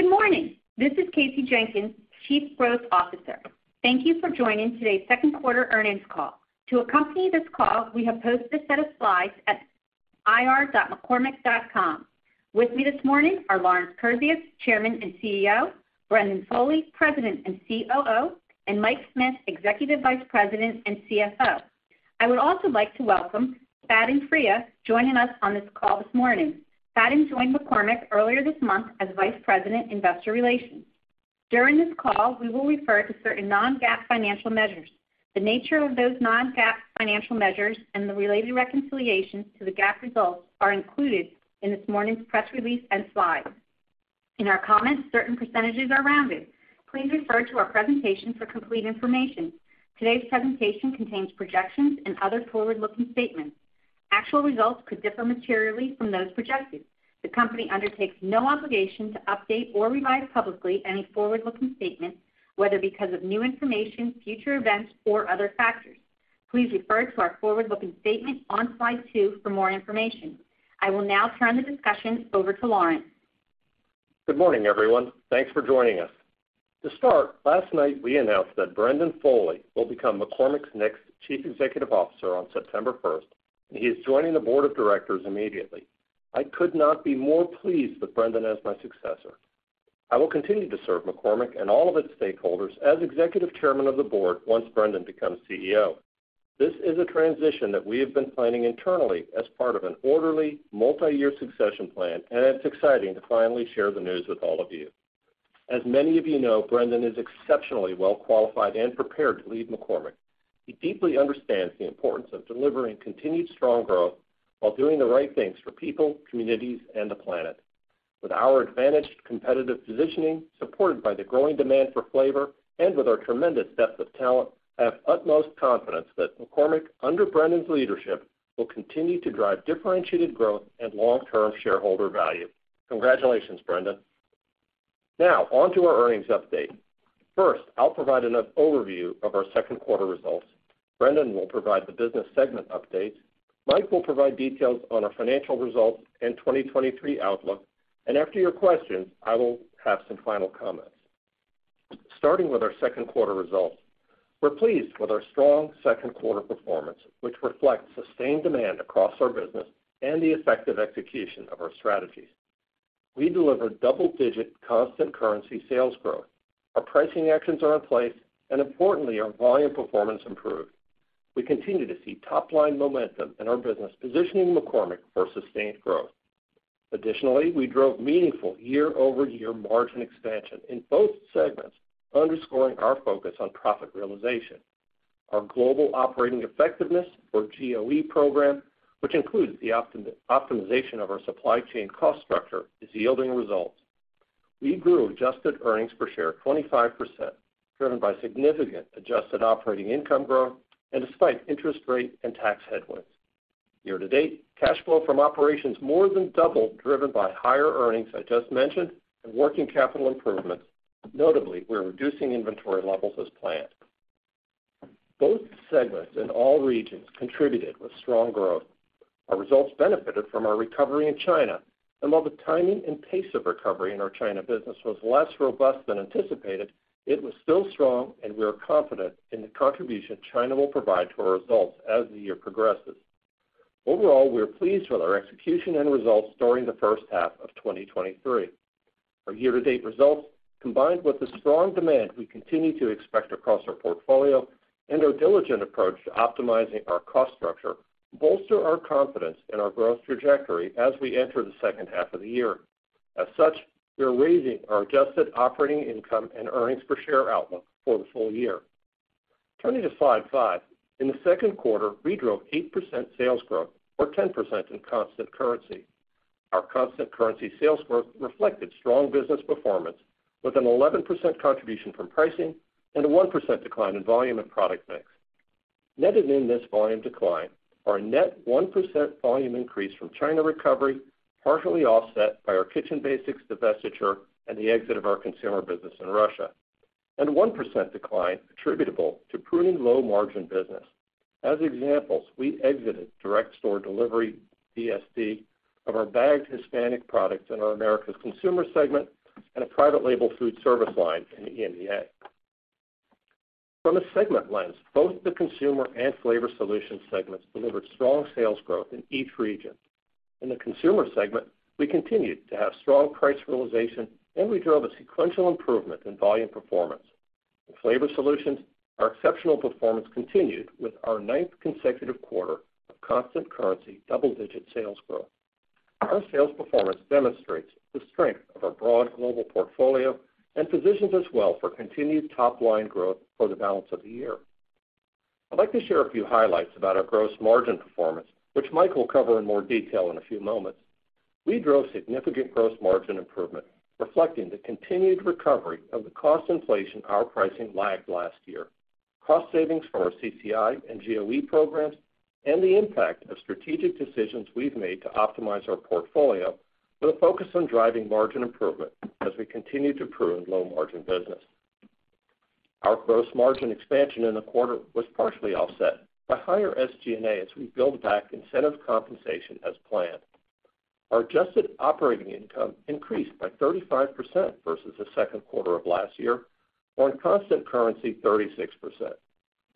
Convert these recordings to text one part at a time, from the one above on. Good morning. This is Kasey Jenkins, Chief Growth Officer. Thank you for joining today's second quarter earnings call. To accompany this call, we have posted a set of slides at ir.mccormick.com. With me this morning are Lawrence Kurzius, Chairman and CEO; Brendan Foley, President and COO; and Mike Smith, Executive Vice President and CFO. I would also like to welcome Faten Freiha, joining us on this call this morning. Faten joined McCormick earlier this month as Vice President, Investor Relations. During this call, we will refer to certain non-GAAP financial measures. The nature of those non-GAAP financial measures and the related reconciliations to the GAAP results are included in this morning's press release and slides. In our comments, certain percentages are rounded. Please refer to our presentation for complete information. Today's presentation contains projections and other forward-looking statements. Actual results could differ materially from those projected. The company undertakes no obligation to update or revise publicly any forward-looking statement, whether because of new information, future events, or other factors. Please refer to our forward-looking statement on slide 2 for more information. I will now turn the discussion over to Lawrence. Good morning, everyone. Thanks for joining us. Last night, we announced that Brendan Foley will become McCormick's next Chief Executive Officer on September first, and he is joining the board of directors immediately. I could not be more pleased with Brendan as my successor. I will continue to serve McCormick and all of its stakeholders as Executive Chairman of the Board once Brendan becomes CEO. This is a transition that we have been planning internally as part of an orderly, multi-year succession plan, and it's exciting to finally share the news with all of you. As many of you know, Brendan is exceptionally well qualified and prepared to lead McCormick. He deeply understands the importance of delivering continued strong growth while doing the right things for people, communities, and the planet. With our advantaged competitive positioning, supported by the growing demand for flavor and with our tremendous depth of talent, I have utmost confidence that McCormick, under Brendan's leadership, will continue to drive differentiated growth and long-term shareholder value. Congratulations, Brendan. On to our earnings update. First, I'll provide an overview of our second quarter results. Brendan will provide the business segment updates. Mike will provide details on our financial results and 2023 outlook. After your questions, I will have some final comments. Starting with our second quarter results, we're pleased with our strong second quarter performance, which reflects sustained demand across our business and the effective execution of our strategies. We delivered double-digit constant currency sales growth. Our pricing actions are in place. Importantly, our volume performance improved. We continue to see top-line momentum in our business, positioning McCormick for sustained growth. Additionally, we drove meaningful year-over-year margin expansion in both segments, underscoring our focus on profit realization. Our Global Operating Effectiveness, or GOE program, which includes the optimization of our supply chain cost structure, is yielding results. We grew adjusted earnings per share 25%, driven by significant adjusted operating income growth and despite interest rate and tax headwinds. Year to date, cash flow from operations more than doubled, driven by higher earnings I just mentioned and working capital improvements. Notably, we're reducing inventory levels as planned. Both segments in all regions contributed with strong growth. Our results benefited from our recovery in China, while the timing and pace of recovery in our China business was less robust than anticipated, it was still strong, and we are confident in the contribution China will provide to our results as the year progresses. Overall, we are pleased with our execution and results during the first half of 2023. Our year-to-date results, combined with the strong demand we continue to expect across our portfolio and our diligent approach to optimizing our cost structure, bolster our confidence in our growth trajectory as we enter the second half of the year. As such, we are raising our adjusted operating income and earnings per share outlook for the full year. Turning to slide 5. In the second quarter, we drove 8% sales growth, or 10% in constant currency. Our constant currency sales growth reflected strong business performance, with an 11% contribution from pricing and a 1% decline in volume and product mix. Netted in this volume decline, our net 1% volume increase from China recovery, partially offset by our Kitchen Basics divestiture and the exit of our consumer business in Russia, and 1% decline attributable to pruning low-margin business. As examples, we exited direct store delivery, DSD, of our bagged Hispanic products in our Americas consumer segment and a private label food service line in EMEA. From a segment lens, both the consumer and flavor solution segments delivered strong sales growth in each region. In the consumer segment, we continued to have strong price realization, and we drove a sequential improvement in volume performance. In flavor solutions, our exceptional performance continued with our ninth consecutive quarter of constant currency double-digit sales growth. Our sales performance demonstrates the strength of our broad global portfolio and positions us well for continued top-line growth for the balance of the year. I'd like to share a few highlights about our gross margin performance, which Mike will cover in more detail in a few moments. We drove significant gross margin improvement, reflecting the continued recovery of the cost inflation our pricing lagged last year, cost savings from our CCI and GOE programs, and the impact of strategic decisions we've made to optimize our portfolio with a focus on driving margin improvement as we continue to prune low-margin business. Our gross margin expansion in the quarter was partially offset by higher SG&A as we build back incentive compensation as planned. Our adjusted operating income increased by 35% versus the second quarter of last year, or in constant currency, 36%.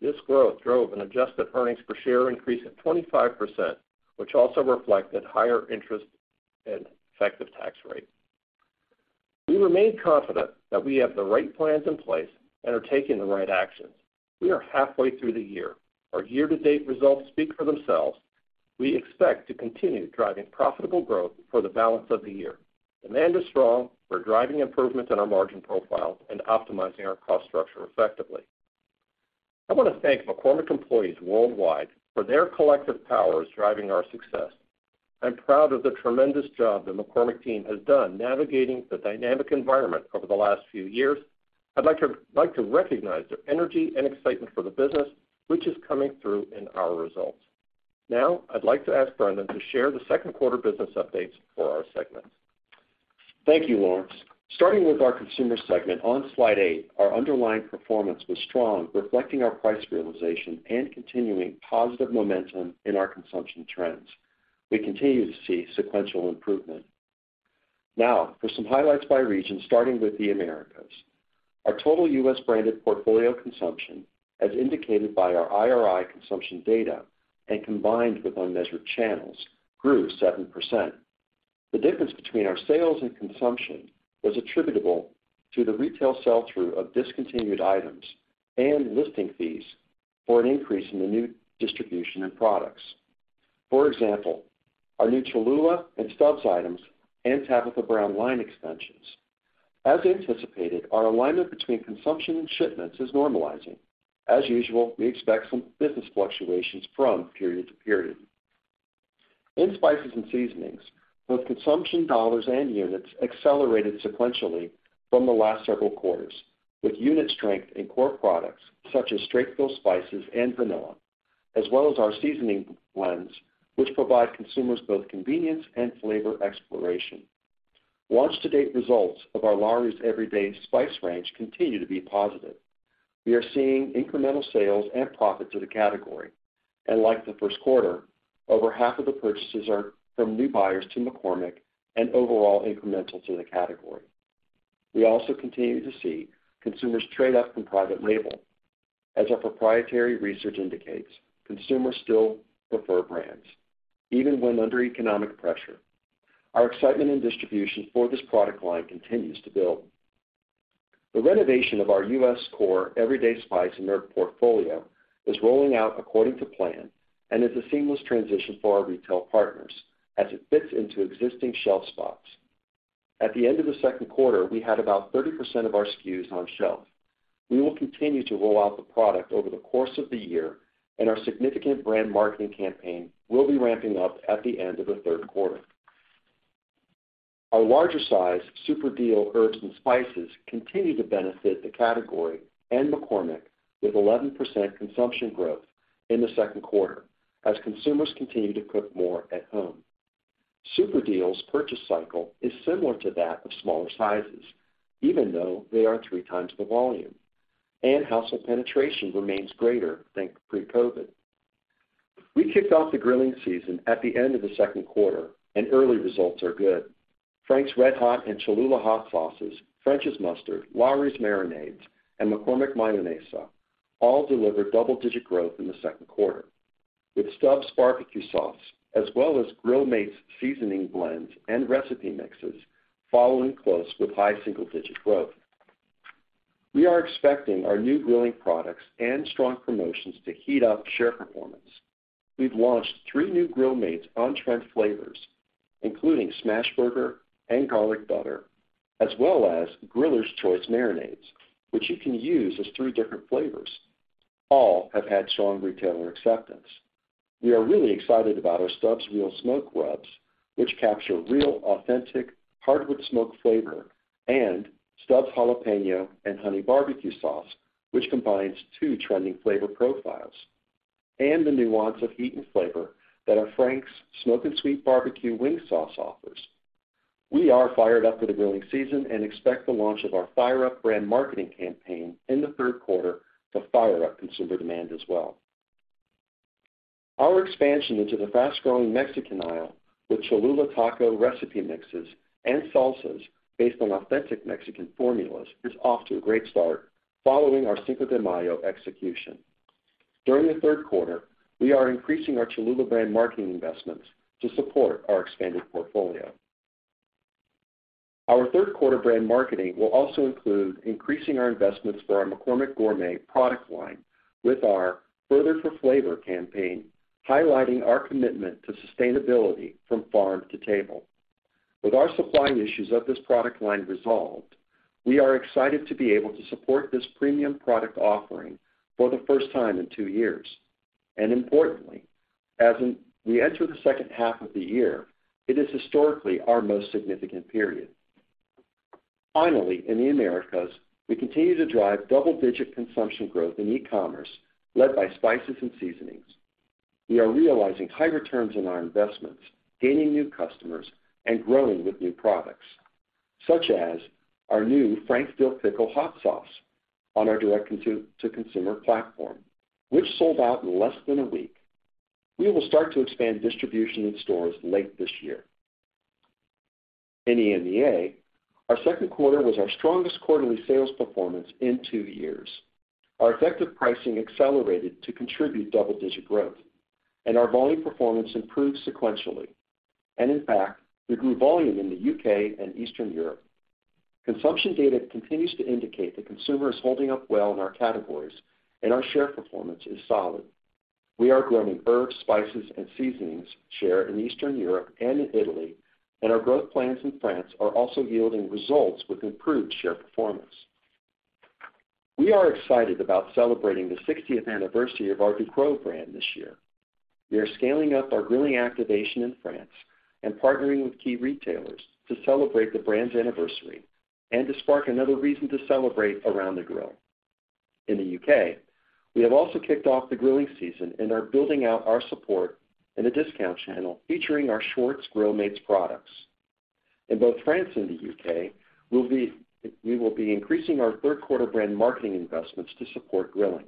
This growth drove an adjusted EPS increase of 25%, which also reflected higher interest and effective tax rate. We remain confident that we have the right plans in place and are taking the right actions. We are halfway through the year. Our year-to-date results speak for themselves. We expect to continue driving profitable growth for the balance of the year. Demand is strong. We're driving improvements in our margin profile and optimizing our cost structure effectively. I want to thank McCormick employees worldwide for their collective powers driving our success. I'm proud of the tremendous job the McCormick team has done navigating the dynamic environment over the last few years. I'd like to recognize their energy and excitement for the business, which is coming through in our results. I'd like to ask Brendan to share the second quarter business updates for our segments. Thank you, Lawrence. Starting with our consumer segment on Slide 8, our underlying performance was strong, reflecting our price realization and continuing positive momentum in our consumption trends. We continue to see sequential improvement. For some highlights by region, starting with the Americas. Our total U.S. branded portfolio consumption, as indicated by our IRI consumption data and combined with unmeasured channels, grew 7%. The difference between our sales and consumption was attributable to the retail sell-through of discontinued items and listing fees for an increase in the new distribution and products. For example, our new Cholula and Stubb's items and Tabitha Brown line extensions. As anticipated, our alignment between consumption and shipments is normalizing. As usual, we expect some business fluctuations from period to period. In spices and seasonings, both consumption dollars and units accelerated sequentially from the last several quarters, with unit strength in core products such as straight-fill spices and vanilla, as well as our seasoning blends, which provide consumers both convenience and flavor exploration. Launch-to-date results of our Lawry's Everyday Spice range continue to be positive. We are seeing incremental sales and profit to the category. Like the first quarter, over half of the purchases are from new buyers to McCormick and overall incremental to the category. We also continue to see consumers trade up from private label. As our proprietary research indicates, consumers still prefer brands, even when under economic pressure. Our excitement and distribution for this product line continues to build. The renovation of our U.S. core everyday spice and herb portfolio is rolling out according to plan and is a seamless transition for our retail partners as it fits into existing shelf spots. At the end of the second quarter, we had about 30% of our SKUs on shelf. We will continue to roll out the product over the course of the year, and our significant brand marketing campaign will be ramping up at the end of the third quarter. Our larger size Super Deal herbs and spices continue to benefit the category and McCormick, with 11% consumption growth in the second quarter as consumers continue to cook more at home. Super Deal's purchase cycle is similar to that of smaller sizes, even though they are 3 times the volume, and household penetration remains greater than pre-COVID. We kicked off the grilling season at the end of the second quarter. Early results are good. Frank's RedHot and Cholula Hot Sauces, French's Mustard, Lawry's Marinades, and McCormick Mayonesa all delivered double-digit growth in the second quarter, with Stubb's Barbecue Sauce, as well as Grill Mates Seasoning Blends and recipe mixes following close with high single-digit growth. We are expecting our new grilling products and strong promotions to heat up share performance. We've launched three new Grill Mates on-trend flavors, including Smash Burger and Garlic Butter, as well as Griller's Choice Marinades, which you can use as three different flavors. All have had strong retailer acceptance. We are really excited about our Stubb's Real Smoke Rubs, which capture real, authentic, hardwood smoked flavor, and Stubb's Jalapeño & Honey Bar-B-Q Sauce, which combines two trending flavor profiles, and the nuance of heat and flavor that our Frank's Smoke & Sweet Barbecue Wing Sauce offers. We are fired up for the grilling season and expect the launch of our Fire Up brand marketing campaign in the third quarter to fire up consumer demand as well. Our expansion into the fast-growing Mexican aisle with Cholula Taco recipe mixes and salsas based on authentic Mexican formulas, is off to a great start following our Cinco de Mayo execution. During the third quarter, we are increasing our Cholula brand marketing investments to support our expanded portfolio. Our third quarter brand marketing will also include increasing our investments for our McCormick Gourmet product line with our Further for Flavor campaign, highlighting our commitment to sustainability from farm to table. With our supply issues of this product line resolved, we are excited to be able to support this premium product offering for the first time in two years. Importantly, as we enter the second half of the year, it is historically our most significant period. Finally, in the Americas, we continue to drive double-digit consumption growth in e-commerce, led by spices and seasonings. We are realizing high returns on our investments, gaining new customers, and growing with new products, such as our new Frank's Dill Pickle hot sauce on our direct to consumer platform, which sold out in less than a week. We will start to expand distribution in stores late this year. In EMEA, our second quarter was our strongest quarterly sales performance in two years. Our effective pricing accelerated to contribute double-digit growth. Our volume performance improved sequentially. In fact, we grew volume in the UK and Eastern Europe. Consumption data continues to indicate the consumer is holding up well in our categories. Our share performance is solid. We are growing herbs, spices, and seasonings share in Eastern Europe and in Italy. Our growth plans in France are also yielding results with improved share performance. We are excited about celebrating the sixtieth anniversary of our Ducros brand this year. We are scaling up our grilling activation in France and partnering with key retailers to celebrate the brand's anniversary and to spark another reason to celebrate around the grill. In the UK, we have also kicked off the grilling season and are building out our support in the discount channel, featuring our Schwartz Grill Mates products. In both France and the UK, we will be increasing our third quarter brand marketing investments to support grilling,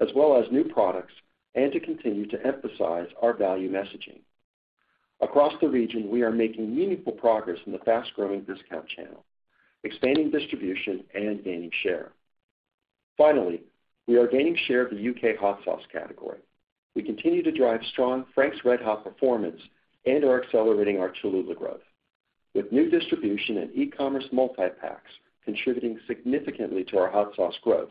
as well as new products, and to continue to emphasize our value messaging. Across the region, we are making meaningful progress in the fast-growing discount channel, expanding distribution and gaining share. We are gaining share of the UK hot sauce category. We continue to drive strong Frank's RedHot performance and are accelerating our Cholula growth, with new distribution and e-commerce multi-packs contributing significantly to our hot sauce growth.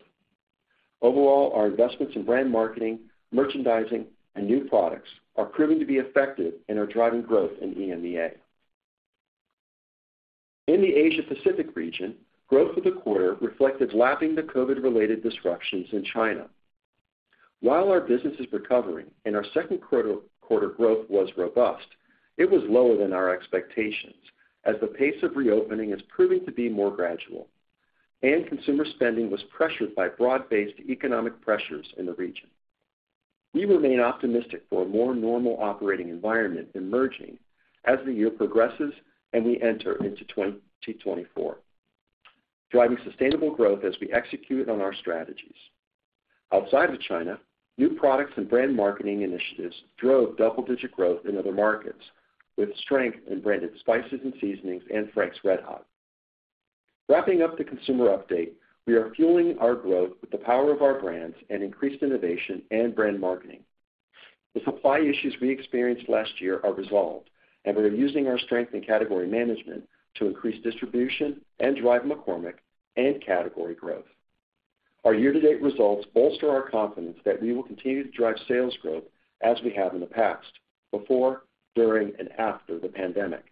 Our investments in brand marketing, merchandising, and new products are proving to be effective and are driving growth in EMEA. In the Asia Pacific region, growth for the quarter reflected lapping the COVID-related disruptions in China. While our business is recovering and our second quarter growth was robust, it was lower than our expectations, as the pace of reopening is proving to be more gradual, and consumer spending was pressured by broad-based economic pressures in the region. We remain optimistic for a more normal operating environment emerging as the year progresses and we enter into 2024, driving sustainable growth as we execute on our strategies. Outside of China, new products and brand marketing initiatives drove double-digit growth in other markets, with strength in branded spices and seasonings and Frank's RedHot. Wrapping up the consumer update, we are fueling our growth with the power of our brands and increased innovation and brand marketing. The supply issues we experienced last year are resolved, and we are using our strength in category management to increase distribution and drive McCormick and category growth. Our year-to-date results bolster our confidence that we will continue to drive sales growth as we have in the past, before, during, and after the pandemic.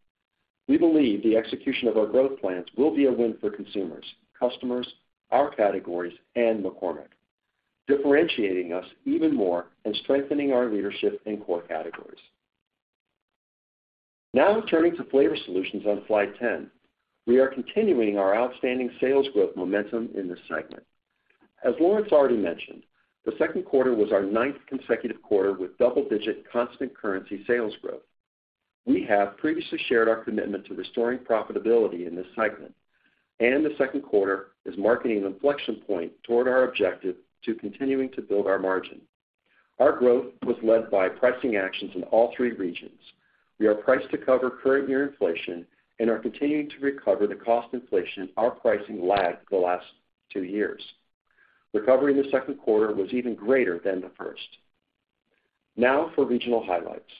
We believe the execution of our growth plans will be a win for consumers, customers, our categories, and McCormick, differentiating us even more and strengthening our leadership in core categories. Now turning to flavor solutions on Slide 10. We are continuing our outstanding sales growth momentum in this segment. As Lawrence already mentioned, the second quarter was our ninth consecutive quarter with double-digit constant currency sales growth. We have previously shared our commitment to restoring profitability in this segment, and the second quarter is marking an inflection point toward our objective to continuing to build our margin. Our growth was led by pricing actions in all three regions. We are priced to cover current year inflation and are continuing to recover the cost inflation our pricing lagged for the last 2 years. Recovery in the second quarter was even greater than the first. Now for regional highlights.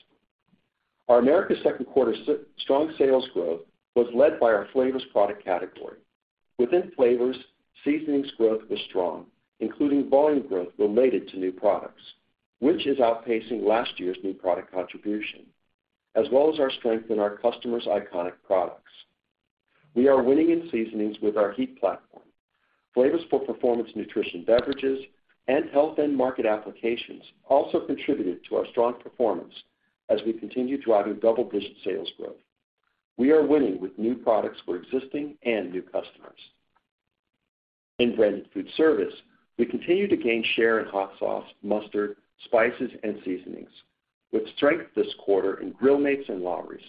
Our Americas' second quarter strong sales growth was led by our flavors product category. Within flavors, seasonings growth was strong, including volume growth related to new products, which is outpacing last year's new product contribution, as well as our strength in our customers' iconic products. We are winning in seasonings with our heat platform. Flavors for performance nutrition beverages and health end market applications also contributed to our strong performance as we continue driving double-digit sales growth. We are winning with new products for existing and new customers. In branded food service, we continue to gain share in hot sauce, mustard, spices, and seasonings, with strength this quarter in Grill Mates and Lawry's.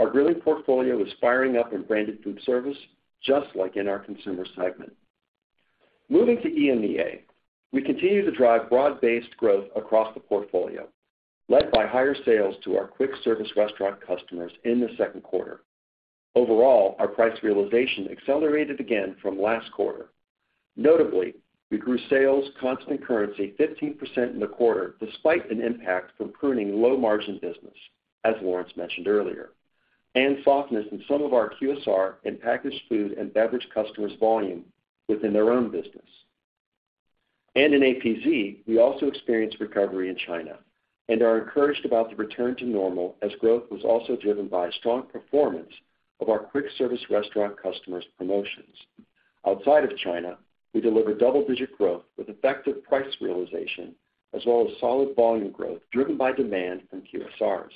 Our grilling portfolio is firing up in branded food service, just like in our consumer segment. Moving to EMEA, we continue to drive broad-based growth across the portfolio, led by higher sales to our quick service restaurant customers in the second quarter. Overall, our price realization accelerated again from last quarter. Notably, we grew sales constant currency 15% in the quarter, despite an impact from pruning low-margin business, as Lawrence mentioned earlier, and softness in some of our QSR and packaged food and beverage customers' volume within their own business. In APZ, we also experienced recovery in China and are encouraged about the return to normal, as growth was also driven by strong performance of our quick-service restaurant customers' promotions. Outside of China, we delivered double-digit growth with effective price realization, as well as solid volume growth driven by demand from QSRs.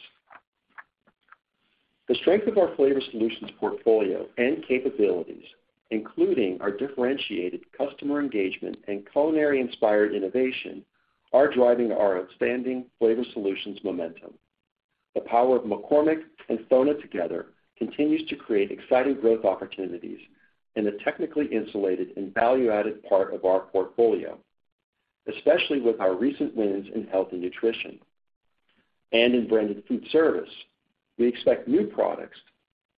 The strength of our flavor solutions portfolio and capabilities, including our differentiated customer engagement and culinary-inspired innovation, are driving our expanding flavor solutions momentum. The power of McCormick and FONA together continues to create exciting growth opportunities in a technically insulated and value-added part of our portfolio, especially with our recent wins in health and nutrition. In branded food service, we expect new products,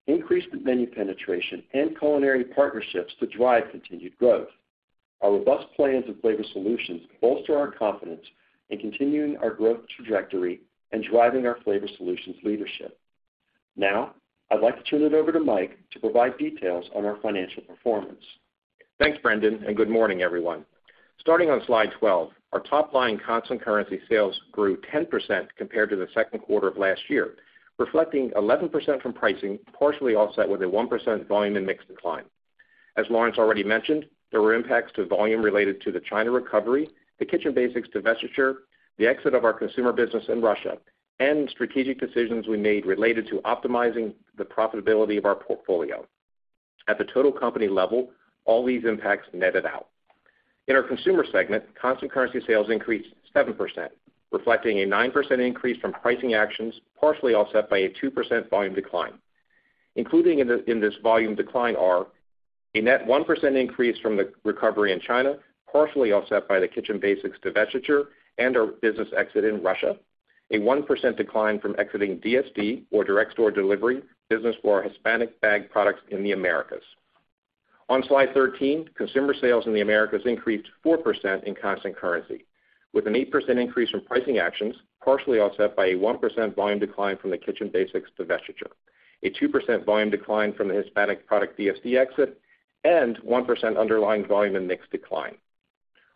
increased menu penetration, and culinary partnerships to drive continued growth. Our robust plans in flavor solutions bolster our confidence in continuing our growth trajectory and driving our flavor solutions leadership. I'd like to turn it over to Mike to provide details on our financial performance. Thanks, Brendan. Good morning, everyone. Starting on slide 12, our top line constant currency sales grew 10% compared to the second quarter of last year, reflecting 11% from pricing, partially offset with a 1% volume and mix decline. As Lawrence already mentioned, there were impacts to volume related to the China recovery, the Kitchen Basics divestiture, the exit of our consumer business in Russia, and strategic decisions we made related to optimizing the profitability of our portfolio. At the total company level, all these impacts netted out. In our consumer segment, constant currency sales increased 7%, reflecting a 9% increase from pricing actions, partially offset by a 2% volume decline. Including in this volume decline are: a net 1% increase from the recovery in China, partially offset by the Kitchen Basics divestiture and our business exit in Russia, a 1% decline from exiting DSD, or direct store delivery, business for our Hispanic bagged products in the Americas. On slide 13, consumer sales in the Americas increased 4% in constant currency, with an 8% increase in pricing actions, partially offset by a 1% volume decline from the Kitchen Basics divestiture, a 2% volume decline from the Hispanic product DSD exit, and 1% underlying volume and mix decline.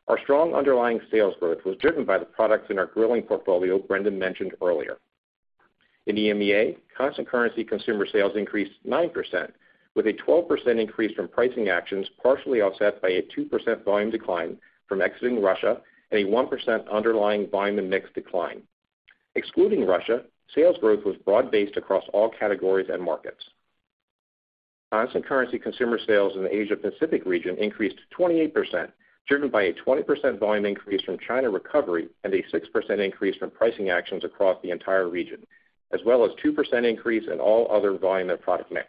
Our strong underlying sales growth was driven by the products in our grilling portfolio Brendan mentioned earlier. In EMEA, constant currency consumer sales increased 9%, with a 12% increase from pricing actions, partially offset by a 2% volume decline from exiting Russia and a 1% underlying volume and mix decline. Excluding Russia, sales growth was broad-based across all categories and markets. Constant currency consumer sales in the Asia Pacific region increased 28%, driven by a 20% volume increase from China recovery and a 6% increase from pricing actions across the entire region, as well as 2% increase in all other volume and product mix.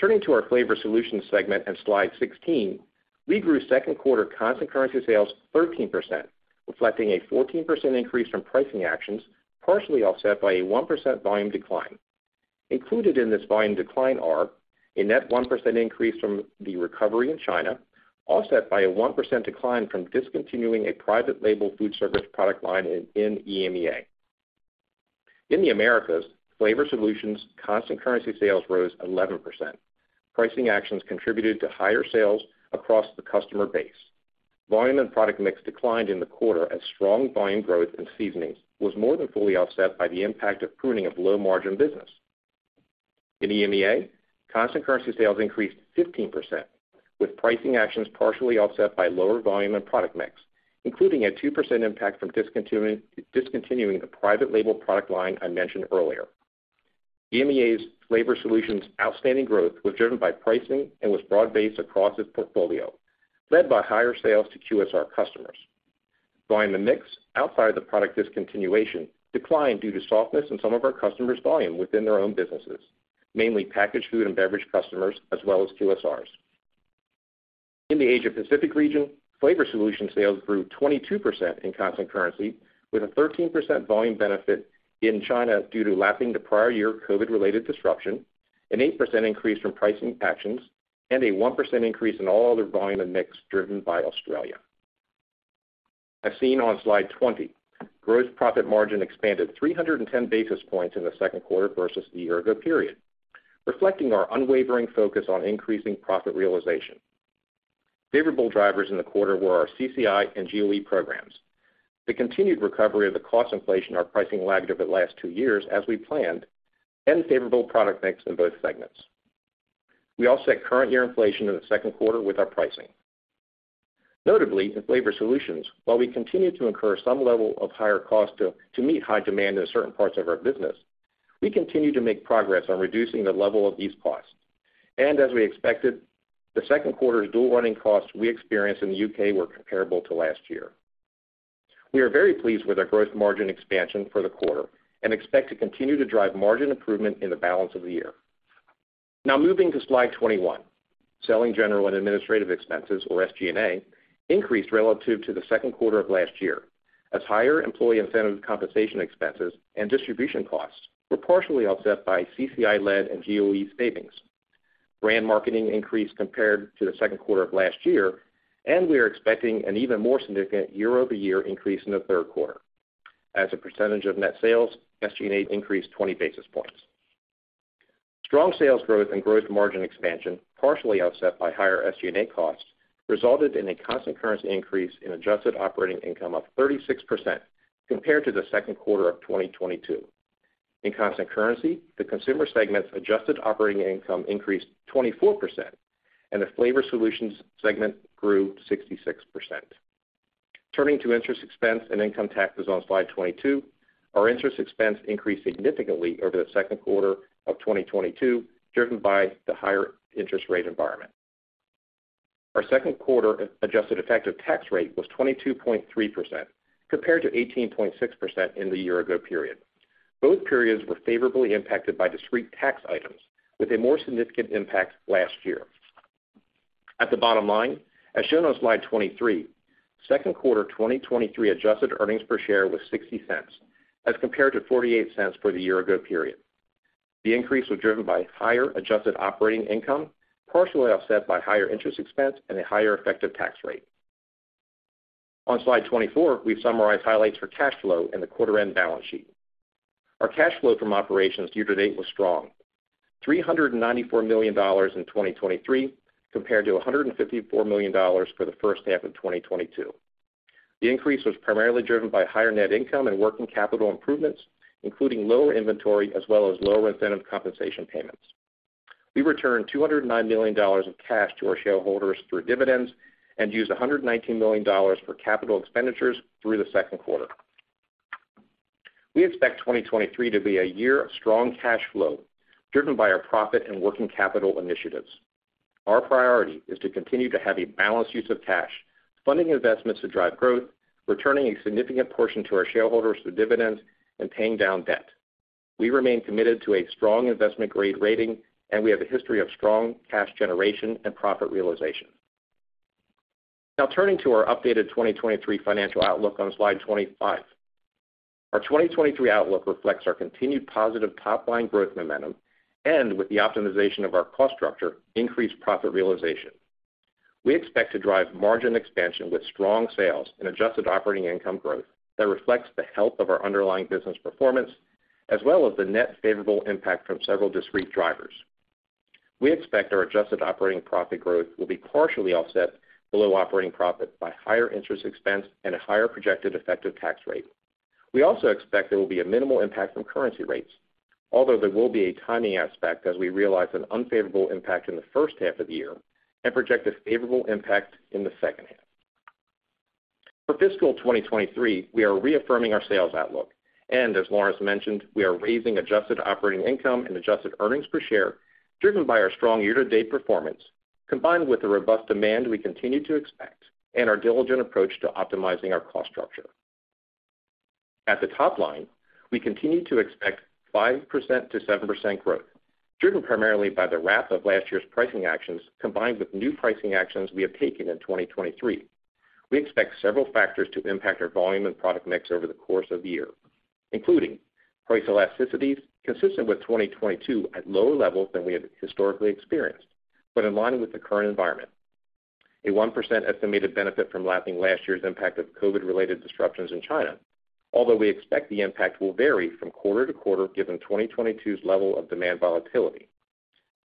Turning to our flavor solutions segment on slide 16, we grew second quarter constant currency sales 13%, reflecting a 14% increase from pricing actions, partially offset by a 1% volume decline. Included in this volume decline are a net 1% increase from the recovery in China, offset by a 1% decline from discontinuing a private label food service product line in EMEA. In the Americas, flavor solutions constant currency sales rose 11%. Pricing actions contributed to higher sales across the customer base. Volume and product mix declined in the quarter as strong volume growth in seasonings was more than fully offset by the impact of pruning of low-margin business. In EMEA, constant currency sales increased 15%, with pricing actions partially offset by lower volume and product mix, including a 2% impact from discontinuing the private label product line I mentioned earlier. EMEA's flavor solutions outstanding growth was driven by pricing and was broad-based across its portfolio, led by higher sales to QSR customers. Volume and mix, outside of the product discontinuation, declined due to softness in some of our customers' volume within their own businesses, mainly packaged food and beverage customers, as well as QSRs. In the Asia Pacific region, flavor solutions sales grew 22% in constant currency, with a 13% volume benefit in China due to lapping the prior year COVID-related disruption, an 8% increase from pricing actions, and a 1% increase in all other volume and mix driven by Australia. As seen on slide 20, gross profit margin expanded 310 basis points in the second quarter versus the year ago period, reflecting our unwavering focus on increasing profit realization. Favorable drivers in the quarter were our CCI and GOE programs, the continued recovery of the cost inflation our pricing lagged over the last two years, as we planned, and favorable product mix in both segments. We offset current year inflation in the second quarter with our pricing. Notably, in flavor solutions, while we continue to incur some level of higher cost to meet high demand in certain parts of our business, we continue to make progress on reducing the level of these costs. As we expected, the second quarter's dual running costs we experienced in the UK were comparable to last year. We are very pleased with our growth margin expansion for the quarter and expect to continue to drive margin improvement in the balance of the year. Moving to slide 21. Selling, general, and administrative expenses, or SG&A, increased relative to the second quarter of last year, as higher employee incentive compensation expenses and distribution costs were partially offset by CCI-led and GOE savings. Brand marketing increased compared to the second quarter of last year. We are expecting an even more significant year-over-year increase in the third quarter. As a percentage of net sales, SG&A increased 20 basis points. Strong sales growth and growth margin expansion, partially offset by higher SG&A costs, resulted in a constant currency increase in adjusted operating income of 36% compared to the second quarter of 2022. In constant currency, the consumer segment's adjusted operating income increased 24%, and the flavor solutions segment grew 66%. Turning to interest expense and income taxes on slide 22. Our interest expense increased significantly over the second quarter of 2022, driven by the higher interest rate environment. Our second quarter adjusted effective tax rate was 22.3%, compared to 18.6% in the year ago period. Both periods were favorably impacted by discrete tax items, with a more significant impact last year. At the bottom line, as shown on slide 23, second quarter 2023 adjusted earnings per share was $0.60, as compared to $0.48 for the year ago period. The increase was driven by higher adjusted operating income, partially offset by higher interest expense and a higher effective tax rate. On slide 24, we've summarized highlights for cash flow and the quarter end balance sheet. Our cash flow from operations year to date was strong. $394 million in 2023, compared to $154 million for the first half of 2022. The increase was primarily driven by higher net income and working capital improvements, including lower inventory, as well as lower incentive compensation payments. We returned $209 million of cash to our shareholders through dividends and used $119 million for capital expenditures through the second quarter. We expect 2023 to be a year of strong cash flow, driven by our profit and working capital initiatives. Our priority is to continue to have a balanced use of cash, funding investments to drive growth, returning a significant portion to our shareholders through dividends, and paying down debt. We remain committed to a strong investment grade rating. We have a history of strong cash generation and profit realization. Now, turning to our updated 2023 financial outlook on slide 25. Our 2023 outlook reflects our continued positive top line growth momentum, and with the optimization of our cost structure, increased profit realization. We expect to drive margin expansion with strong sales and adjusted operating income growth that reflects the health of our underlying business performance, as well as the net favorable impact from several discrete drivers. We expect our adjusted operating profit growth will be partially offset below operating profit by higher interest expense and a higher projected effective tax rate. We also expect there will be a minimal impact from currency rates, although there will be a timing aspect as we realize an unfavorable impact in the first half of the year and project a favorable impact in the second half. For fiscal 2023, we are reaffirming our sales outlook, and as Lawrence mentioned, we are raising adjusted operating income and adjusted earnings per share, driven by our strong year-to-date performance, combined with the robust demand we continue to expect and our diligent approach to optimizing our cost structure. At the top line, we continue to expect 5%-7% growth, driven primarily by the wrap of last year's pricing actions, combined with new pricing actions we have taken in 2023. We expect several factors to impact our volume and product mix over the course of the year, including price elasticity, consistent with 2022 at lower levels than we have historically experienced, but in line with the current environment. A 1% estimated benefit from lapping last year's impact of COVID-related disruptions in China, although we expect the impact will vary from quarter to quarter, given 2022's level of demand volatility.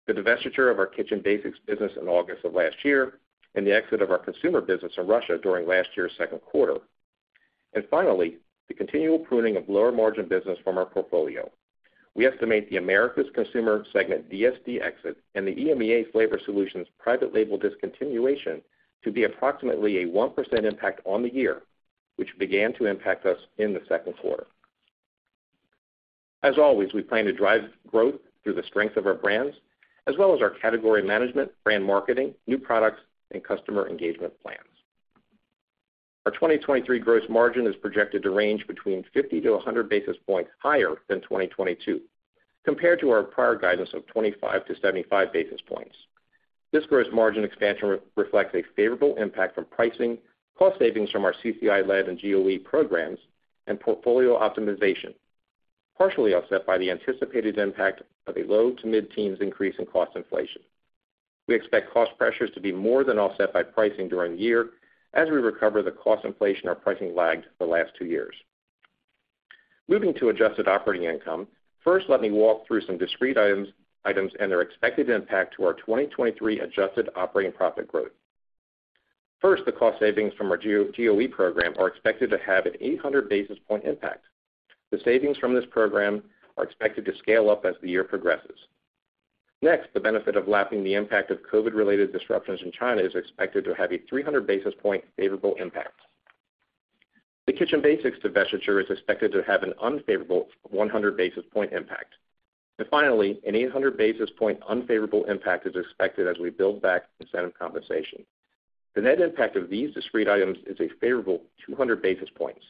The divestiture of our Kitchen Basics business in August of last year, and the exit of our consumer business in Russia during last year's second quarter. Finally, the continual pruning of lower margin business from our portfolio. We estimate the America's consumer segment DSD exit and the EMEA Flavor Solutions private label discontinuation to be approximately a 1% impact on the year, which began to impact us in the second quarter. As always, we plan to drive growth through the strength of our brands, as well as our category management, brand marketing, new products, and customer engagement plans. Our 2023 gross margin is projected to range between 50 to 100 basis points higher than 2022, compared to our prior guidance of 25 to 75 basis points. This gross margin expansion reflects a favorable impact from pricing, cost savings from our CCI-led and GOE programs, and portfolio optimization, partially offset by the anticipated impact of a low to mid-teens increase in cost inflation. We expect cost pressures to be more than offset by pricing during the year as we recover the cost inflation, our pricing lagged for the last two years. Moving to adjusted operating income, first, let me walk through some discrete items and their expected impact to our 2023 adjusted operating profit growth. First, the cost savings from our GOE program are expected to have an 800 basis point impact. The savings from this program are expected to scale up as the year progresses. The benefit of lapping the impact of COVID-related disruptions in China is expected to have a 300 basis point favorable impact. The Kitchen Basics divestiture is expected to have an unfavorable 100 basis point impact. Finally, an 800 basis point unfavorable impact is expected as we build back incentive compensation. The net impact of these discrete items is a favorable 200 basis points.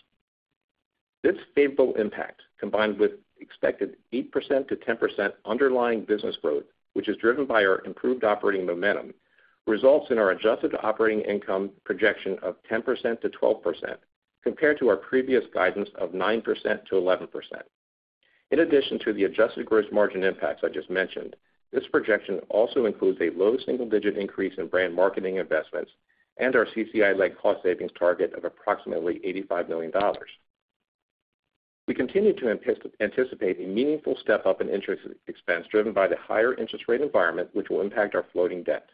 This favorable impact, combined with expected 8%-10% underlying business growth, which is driven by our improved operating momentum, results in our adjusted operating income projection of 10%-12%, compared to our previous guidance of 9%-11%. In addition to the adjusted gross margin impacts I just mentioned, this projection also includes a low single-digit increase in brand marketing investments and our CCI-led cost savings target of approximately $85 million. We continue to anticipate a meaningful step up in interest expense, driven by the higher interest rate environment, which will impact our floating debt.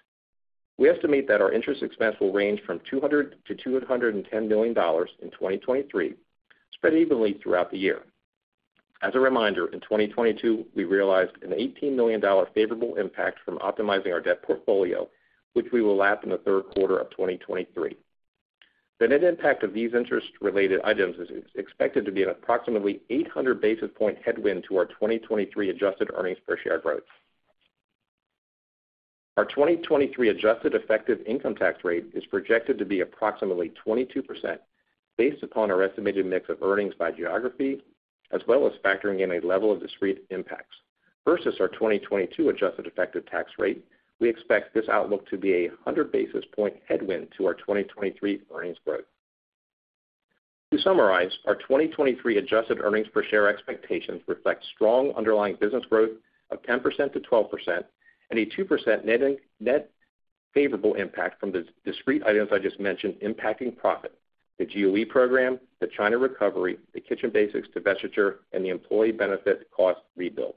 We estimate that our interest expense will range from $200 million-$210 million in 2023, spread evenly throughout the year. As a reminder, in 2022, we realized an $18 million favorable impact from optimizing our debt portfolio, which we will lap in the third quarter of 2023. The net impact of these interest-related items is expected to be an approximately 800 basis point headwind to our 2023 adjusted earnings per share growth. Our 2023 adjusted effective income tax rate is projected to be approximately 22%, based upon our estimated mix of earnings by geography, as well as factoring in a level of discrete impacts. Versus our 2022 adjusted effective tax rate, we expect this outlook to be a 100 basis point headwind to our 2023 earnings growth. To summarize, our 2023 adjusted earnings per share expectations reflect strong underlying business growth of 10%-12% and a 2% net favorable impact from the discrete items I just mentioned impacting profit. The GOE program, the China recovery, the Kitchen Basics divestiture, and the employee benefit cost rebuild,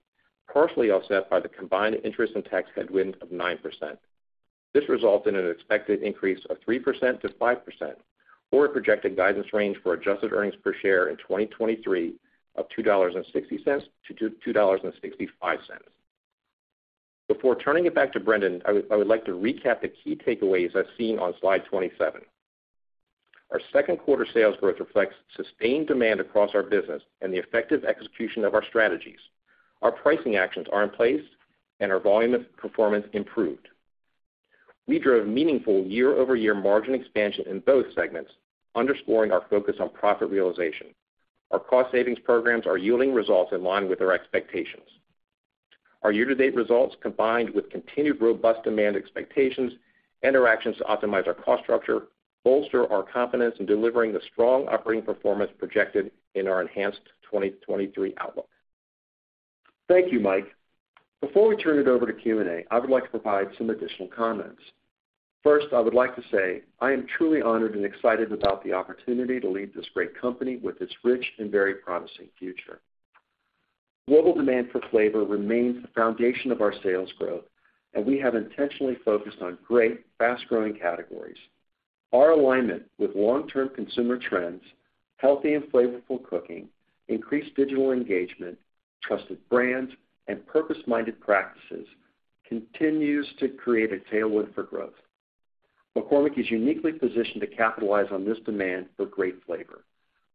partially offset by the combined interest and tax headwind of 9%. This results in an expected increase of 3%-5%, or a projected guidance range for adjusted earnings per share in 2023 of $2.60-$2.65. Before turning it back to Brendan, I would like to recap the key takeaways as seen on slide 27. Our second quarter sales growth reflects sustained demand across our business and the effective execution of our strategies. Our pricing actions are in place, and our volume performance improved. We drove meaningful year-over-year margin expansion in both segments, underscoring our focus on profit realization. Our cost savings programs are yielding results in line with our expectations. Our year-to-date results, combined with continued robust demand expectations and our actions to optimize our cost structure, bolster our confidence in delivering the strong operating performance projected in our enhanced 2023 outlook. Thank you, Mike. Before we turn it over to Q&A, I would like to provide some additional comments. First, I would like to say I am truly honored and excited about the opportunity to lead this great company with its rich and very promising future. Global demand for flavor remains the foundation of our sales growth, and we have intentionally focused on great, fast-growing categories. Our alignment with long-term consumer trends, healthy and flavorful cooking, increased digital engagement, trusted brands, and purpose-minded practices continues to create a tailwind for growth. McCormick is uniquely positioned to capitalize on this demand for great flavor.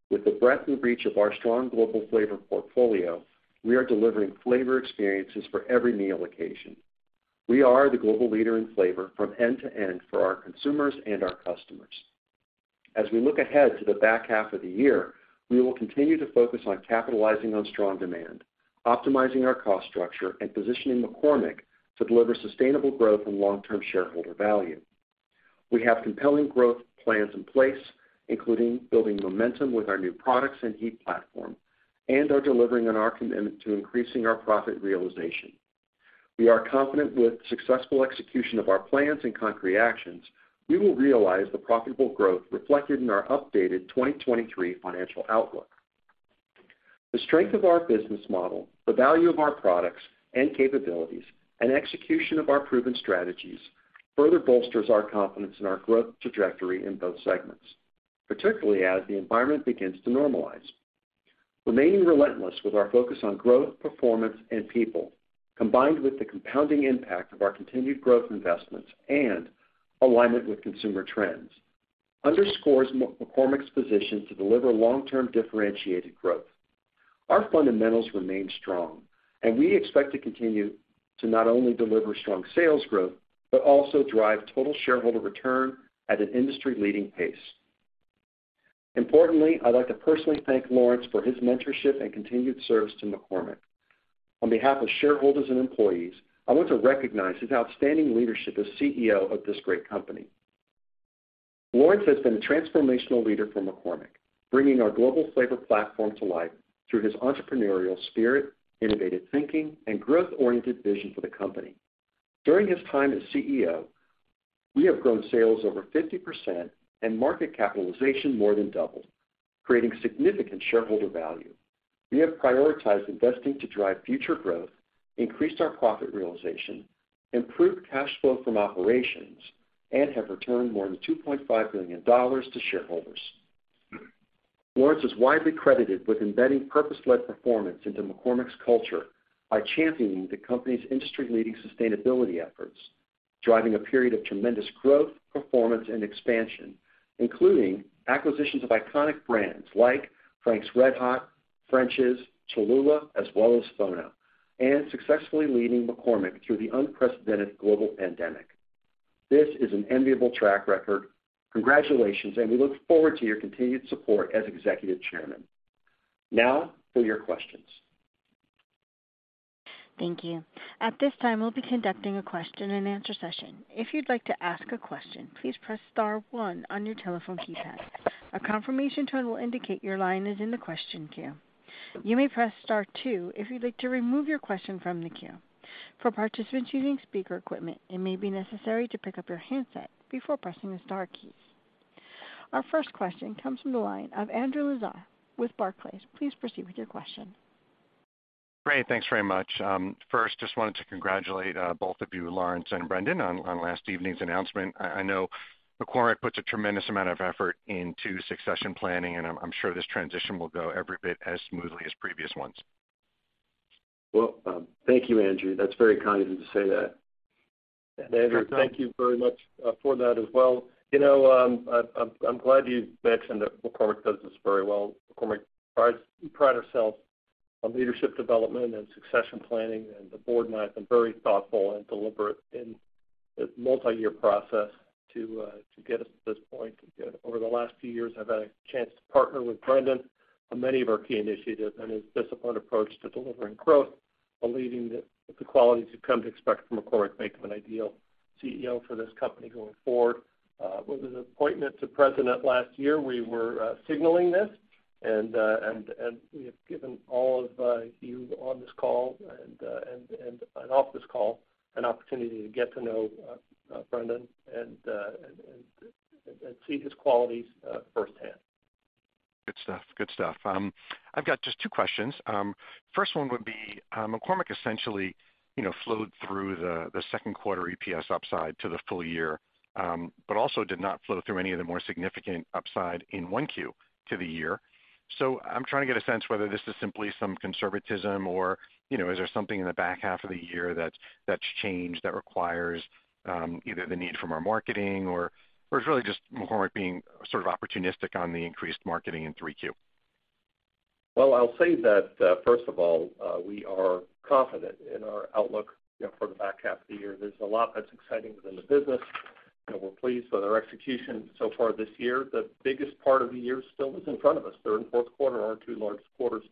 With the breadth and reach of our strong global flavor portfolio, we are delivering flavor experiences for every meal occasion. We are the global leader in flavor from end to end for our consumers and our customers. As we look ahead to the back half of the year, we will continue to focus on capitalizing on strong demand, optimizing our cost structure, and positioning McCormick to deliver sustainable growth and long-term shareholder value. We have compelling growth plans in place, including building momentum with our new products and heat platform, and are delivering on our commitment to increasing our profit realization. We are confident with successful execution of our plans and concrete actions, we will realize the profitable growth reflected in our updated 2023 financial outlook. The strength of our business model, the value of our products and capabilities, and execution of our proven strategies further bolsters our confidence in our growth trajectory in both segments, particularly as the environment begins to normalize. Remaining relentless with our focus on growth, performance, and people, combined with the compounding impact of our continued growth investments and alignment with consumer trends, underscores McCormick's position to deliver long-term differentiated growth. Our fundamentals remain strong. We expect to continue to not only deliver strong sales growth, but also drive total shareholder return at an industry-leading pace. Importantly, I'd like to personally thank Lawrence for his mentorship and continued service to McCormick. On behalf of shareholders and employees, I want to recognize his outstanding leadership as CEO of this great company. Lawrence has been a transformational leader for McCormick, bringing our global flavor platform to life through his entrepreneurial spirit, innovative thinking, and growth-oriented vision for the company. During his time as CEO, we have grown sales over 50% and market capitalization more than doubled, creating significant shareholder value. We have prioritized investing to drive future growth, increased our profit realization, improved cash flow from operations, and have returned more than $2.5 billion to shareholders. Lawrence is widely credited with embedding purpose-led performance into McCormick's culture by championing the company's industry-leading sustainability efforts, driving a period of tremendous growth, performance, and expansion, including acquisitions of iconic brands like Frank's RedHot, French's, Cholula, as well as FONA, and successfully leading McCormick through the unprecedented global pandemic. This is an enviable track record. Congratulations, and we look forward to your continued support as executive chairman. For your questions. Thank you. At this time, we'll be conducting a question and answer session. If you'd like to ask a question, please press star one on your telephone keypad. A confirmation tone will indicate your line is in the question queue. You may press Star two if you'd like to remove your question from the queue. For participants using speaker equipment, it may be necessary to pick up your handset before pressing the star keys. Our first question comes from the line of Andrew Lazar with Barclays. Please proceed with your question. Great, thanks very much. First, just wanted to congratulate, both of you, Lawrence and Brendan, on last evening's announcement. I know McCormick puts a tremendous amount of effort into succession planning, and I'm sure this transition will go every bit as smoothly as previous ones. Thank you, Andrew. That's very kind of you to say that. Andrew, thank you very much for that as well. You know, I'm glad you mentioned that McCormick does this very well. McCormick prides ourselves on leadership development and succession planning, and the board and I have been very thoughtful and deliberate in this multiyear process to get us to this point. Over the last few years, I've had a chance to partner with Brendan on many of our key initiatives, and his disciplined approach to delivering growth, believing that the qualities you've come to expect from McCormick, make him an ideal CEO for this company going forward. With his appointment to President last year, we were signaling this, and we have given all of you on this call and off this call, an opportunity to get to know Brendan and see his qualities firsthand. Good stuff. Good stuff. I've got just two questions. First one would be, McCormick essentially, you know, flowed through the second quarter EPS upside to the full year, but also did not flow through any of the more significant upside in 1Q to the year. I'm trying to get a sense whether this is simply some conservatism or, you know, is there something in the back half of the year that's changed, that requires either the need from our marketing or it's really just McCormick being sort of opportunistic on the increased marketing in 3Q? Well, I'll say that, first of all, we are confident in our outlook, you know, for the back half of the year. There's a lot that's exciting within the business, and we're pleased with our execution so far this year. The biggest part of the year still is in front of us. Third and fourth quarter are our 2 largest quarters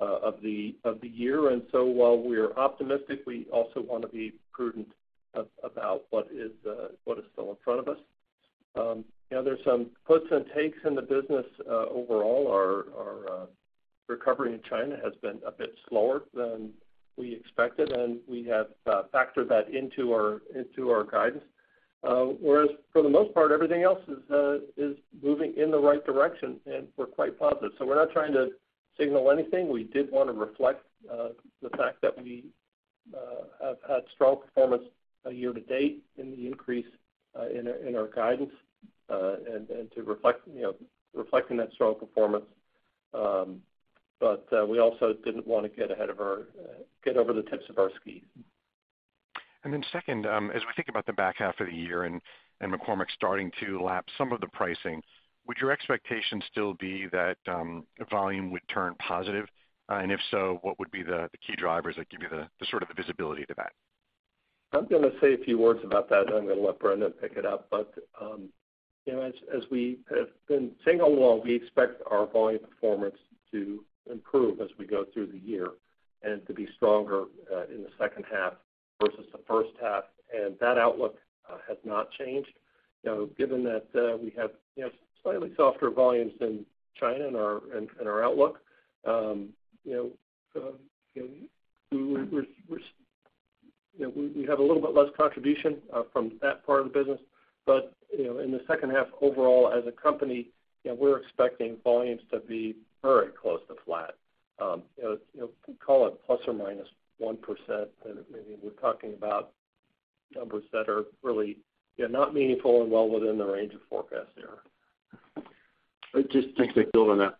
of the year. While we're optimistic, we also want to be prudent about what is still in front of us. You know, there's some puts and takes in the business. Overall, our recovery in China has been a bit slower than we expected, and we have factored that into our guidance. Whereas for the most part, everything else is moving in the right direction, and we're quite positive. We're not trying to signal anything. We did want to reflect the fact that we have had strong performance year to date in the increase in our guidance, and to reflect, you know, reflecting that strong performance. We also didn't want to get ahead of our, get over the tips of our skis. Second, as we think about the back half of the year and McCormick starting to lap some of the pricing, would your expectation still be that volume would turn positive? If so, what would be the key drivers that give you the sort of the visibility to that? I'm gonna say a few words about that, and I'm gonna let Brendan pick it up. You know, as we have been saying all along, we expect our volume performance to improve as we go through the year and to be stronger in the second half versus the first half, and that outlook has not changed. You know, given that we have, you know, slightly softer volumes in China, in our outlook, you know, we're You know, we have a little bit less contribution from that part of the business. You know, in the second half, overall, as a company, you know, we're expecting volumes to be very close to flat. You know, call it ±1%, and maybe we're talking about numbers that are really, yeah, not meaningful and well within the range of forecast error. Just to build on that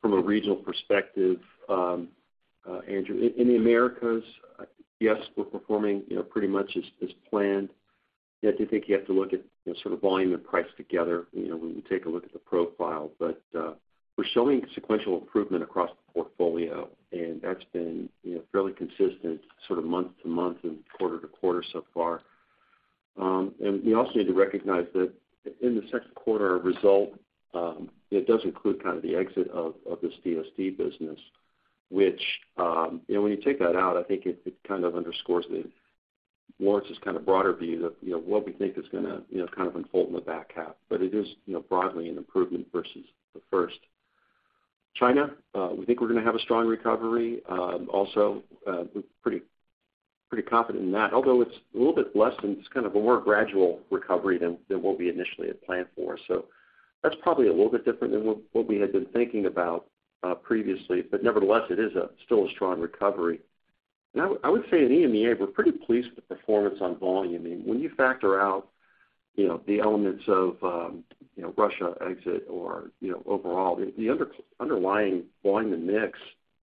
from a regional perspective, Andrew, in the Americas, yes, we're performing, you know, pretty much as planned. I do think you have to look at, you know, sort of volume and price together, you know, when you take a look at the profile. We're showing sequential improvement across the portfolio, and that's been, you know, fairly consistent sort of month-to-month and quarter-to-quarter so far. We also need to recognize that in the second quarter, our result, it does include kind of the exit of this DSD business, which, you know, when you take that out, I think it kind of underscores Lawrence's kind of broader view of, you know, what we think is gonna, you know, kind of unfold in the back half. It is, you know, broadly an improvement versus the first. China, we think we're gonna have a strong recovery. Also, we're pretty confident in that, although it's kind of a more gradual recovery than what we initially had planned for. That's probably a little bit different than what we had been thinking about, previously. Nevertheless, it is still a strong recovery. I would say in EMEA, we're pretty pleased with the performance on volume. I mean, when you factor out, you know, the elements of, you know, Russia exit or, you know, overall, the underlying volume and mix,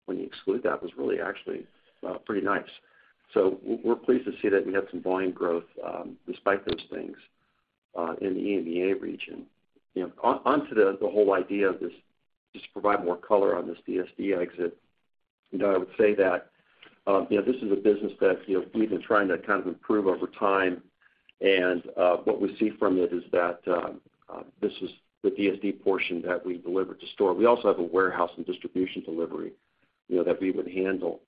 when you exclude that, was really actually pretty nice. We're pleased to see that we have some volume growth, despite those things, in the EMEA region. You know, onto the whole idea of this, just to provide more color on this DSD exit, you know, I would say that, you know, this is a business that, you know, we've been trying to kind of improve over time. What we see from it is that this is the DSD portion that we delivered to store. We also have a warehouse and distribution delivery, you know, that we would handle.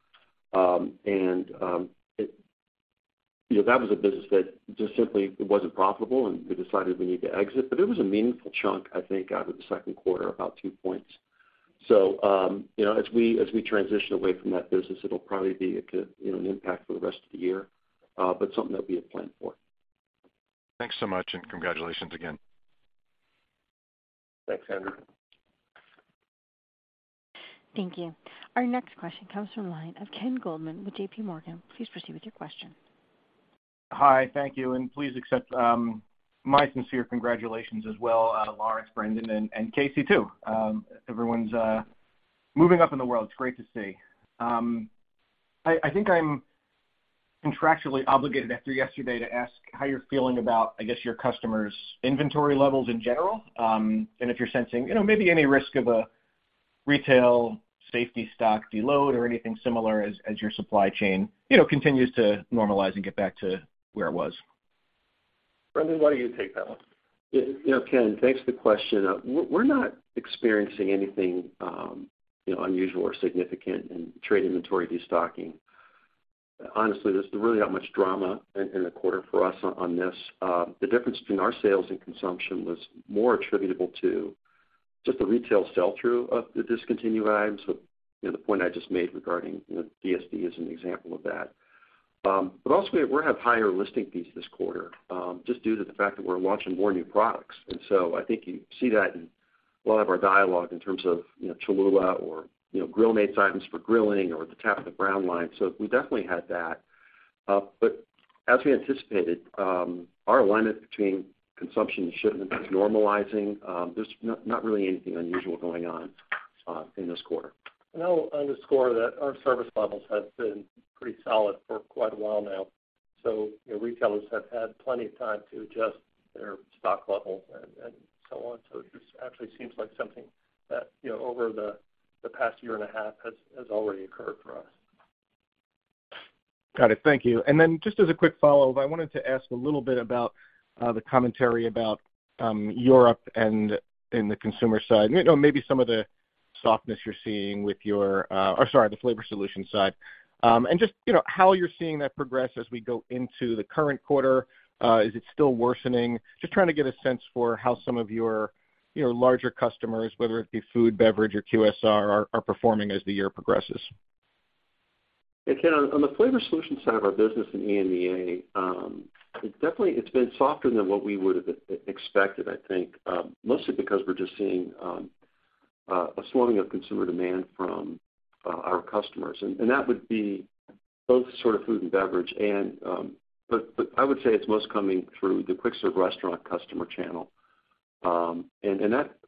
You know, that was a business that just simply it wasn't profitable, and we decided we need to exit, but it was a meaningful chunk, I think, out of the second quarter, about 2 points. You know, as we transition away from that business, it'll probably be a, you know, an impact for the rest of the year, but something that we had planned for. Thanks so much, and congratulations again. Thanks, Andrew. Thank you. Our next question comes from the line of Ken Goldman with JPMorgan. Please proceed with your question. Hi, thank you, and please accept my sincere congratulations as well, Lawrence, Brendan, and Kasey, too. Everyone's moving up in the world. It's great to see. I think I'm contractually obligated after yesterday to ask how you're feeling about, I guess, your customers' inventory levels in general, and if you're sensing, you know, maybe any risk of a retail safety stock deload or anything similar as your supply chain, you know, continues to normalize and get back to where it was. Brendan, why don't you take that one? Yeah, you know, Ken, thanks for the question. We're not experiencing anything, you know, unusual or significant in trade inventory destocking. Honestly, there's really not much drama in the quarter for us on this. The difference between our sales and consumption was more attributable to just the retail sell-through of the discontinued items. You know, the point I just made regarding, you know, DSD as an example of that. Also, we have higher listing fees this quarter, just due to the fact that we're launching more new products. I think you see that in a lot of our dialogue in terms of, you know, Cholula or, you know, Grill Mates items for grilling or the Tabitha Brown line. We definitely had that. As we anticipated, our alignment between consumption and shipment is normalizing. There's not really anything unusual going on in this quarter. I'll underscore that our service levels have been pretty solid for quite a while now. You know, retailers have had plenty of time to adjust their stock levels and so on. It just actually seems like something that, you know, over the past year and a half has already occurred for us. Got it. Thank you. Just as a quick follow-up, I wanted to ask a little bit about the commentary about Europe and in the consumer side. You know, maybe some of the softness you're seeing with your Or sorry, the flavor solution side. Just, you know, how you're seeing that progress as we go into the current quarter. Is it still worsening? Just trying to get a sense for how some of your, you know, larger customers, whether it be food, beverage, or QSR, are performing as the year progresses. Hey, Ken, on the flavor solution side of our business in EMEA, it definitely, it's been softer than what we would have expected, I think, mostly because we're just seeing a slowing of consumer demand from our customers. That would be both sort of food and beverage and, but I would say it's most coming through the quick serve restaurant customer channel.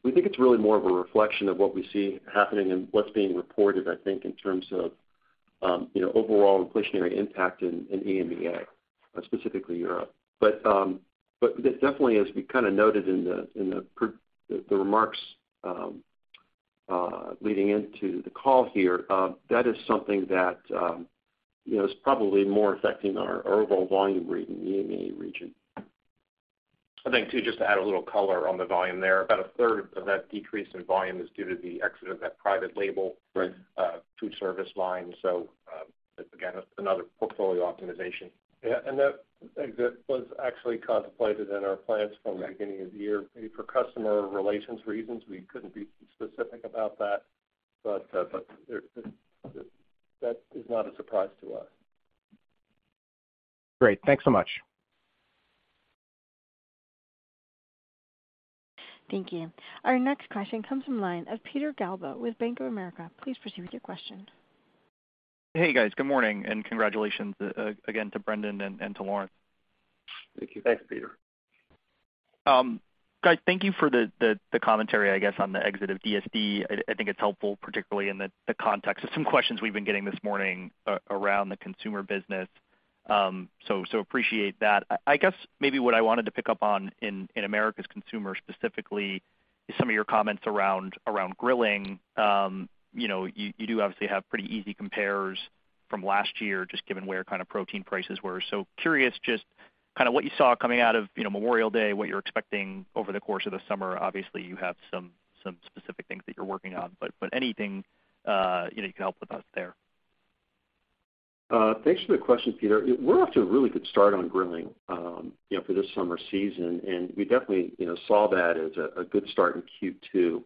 We think it's really more of a reflection of what we see happening and what's being reported, I think, in terms of, you know, overall inflationary impact in EMEA, specifically Europe. Definitely, as we kind of noted in the remarks, leading into the call here, that is something that, you know, is probably more affecting our overall volume rate in the EMEA region. I think, too, just to add a little color on the volume there, about a third of that decrease in volume is due to the exit of that private label- Right. food service line. Again, another portfolio optimization. That was actually contemplated in our plans from the beginning of the year. Maybe for customer relations reasons, we couldn't be specific about that, but there, that is not a surprise to us. Great. Thanks so much. Thank you. Our next question comes from line of Peter Galbo with Bank of America. Please proceed with your question. Hey, guys. Good morning. Congratulations, again to Brendan and to Lawrence. Thank you. Thanks, Peter. Guys, thank you for the commentary, I guess, on the exit of DSD. I think it's helpful, particularly in the context of some questions we've been getting this morning around the consumer business. Appreciate that. I guess maybe what I wanted to pick up on in Americas Consumer specifically, is some of your comments around grilling. You know, you do obviously have pretty easy compares from last year, just given where kind of protein prices were. Curious, just kind of what you saw coming out of, you know, Memorial Day, what you're expecting over the course of the summer. Obviously, you have some specific things that you're working on, but anything, you know, you can help with us there? Thanks for the question, Peter. We're off to a really good start on grilling for this summer season, and we definitely, you know, saw that as a good start in Q2.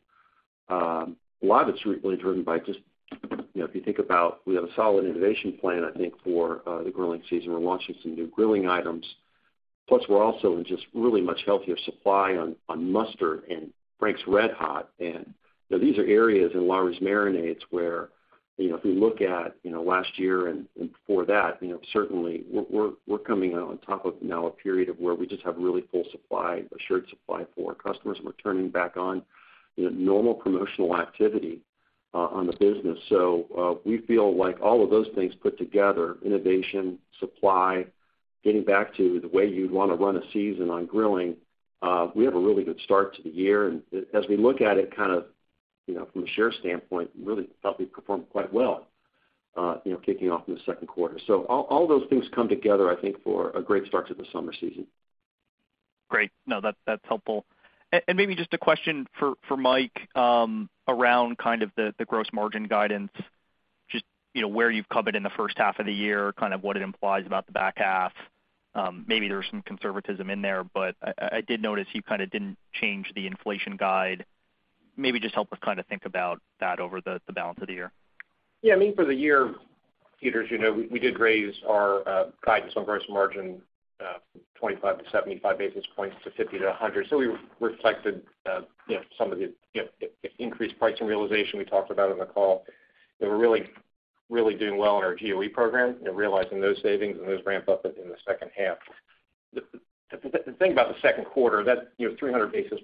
A lot of it's really driven by just, you know, if you think about, we have a solid innovation plan, I think, for the grilling season. We're launching some new grilling items. Plus, we're also in just really much healthier supply on mustard and Frank's RedHot. And, you know, these are areas in Lawry's marinades where, you know, if we look at, you know, last year and before that, you know, certainly we're coming out on top of now a period of where we just have really full supply, assured supply for our customers, and we're turning back on, you know, normal promotional activity on the business. we feel like all of those things put together, innovation, supply, getting back to the way you'd want to run a season on grilling, we have a really good start to the year. As, as we look at it, kind of, you know, from a share standpoint, really thought we performed quite well, you know, kicking off in the second quarter. All, all those things come together, I think, for a great start to the summer season. Great. No, that's helpful. Maybe just a question for Mike around kind of the gross margin guidance, just, you know, where you've covered in the first half of the year, kind of what it implies about the back half. Maybe there's some conservatism in there, but I did notice you kind of didn't change the inflation guide. Maybe just help us kind of think about that over the balance of the year. Yeah, I mean, for the year, Peter, as you know, we did raise our guidance on gross margin, 25-75 basis points to 50-100. We reflected, you know, some of the, you know, increased pricing realization we talked about on the call. We're really doing well in our GOE program and realizing those savings and those ramp up in the second half. The thing about the second quarter, that, you know, 300 basis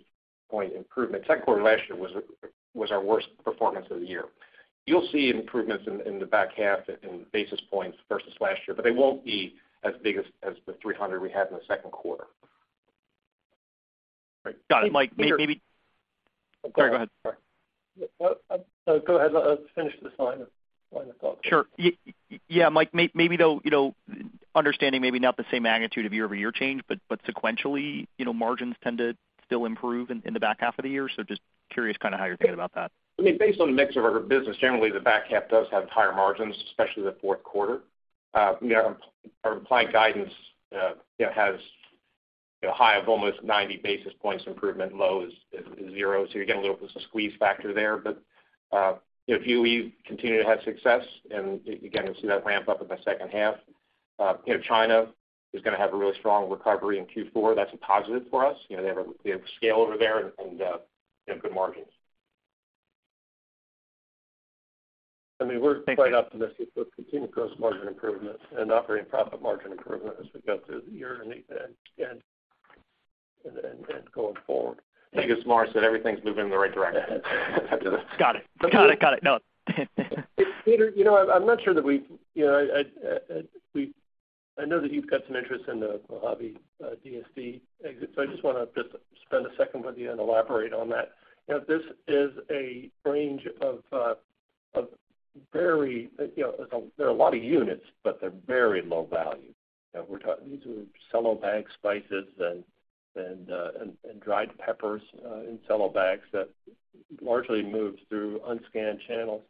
point improvement, second quarter last year was our worst performance of the year. You'll see improvements in the back half in basis points versus last year, but they won't be as big as the 300 we had in the second quarter. Got it. Mike. Peter- Sorry, go ahead. Sorry. Go ahead. Let us finish this line of thought. Sure. Yeah, Mike, maybe though, you know, understanding maybe not the same magnitude of year-over-year change, but sequentially, you know, margins tend to still improve in the back half of the year. Just curious kind of how you're thinking about that. I mean, based on the mix of our business, generally, the back half does have higher margins, especially the fourth quarter. you know, our client guidance, you know, has a high of almost 90 basis points improvement, low is 0. You get a little squeeze factor there. If you continue to have success, and again, we'll see that ramp up in the second half. you know, China is gonna have a really strong recovery in Q4. That's a positive for us. You know, they have they have scale over there and they have good margins. I mean, we're quite optimistic with continued gross margin improvements and operating profit margin improvement as we go through the year and going forward. I think it's more that everything's moving in the right direction. Got it. No. Peter, you know, I'm not sure that we, you know, I, we, I know that you've got some interest in the Mojave DSD exit. I just wanna just spend a second with you and elaborate on that. You know, this is a range of very, you know, there are a lot of units, but they're very low value. You know, we're these are cello bag spices and dried peppers in cello bags that largely moves through unscanned channels.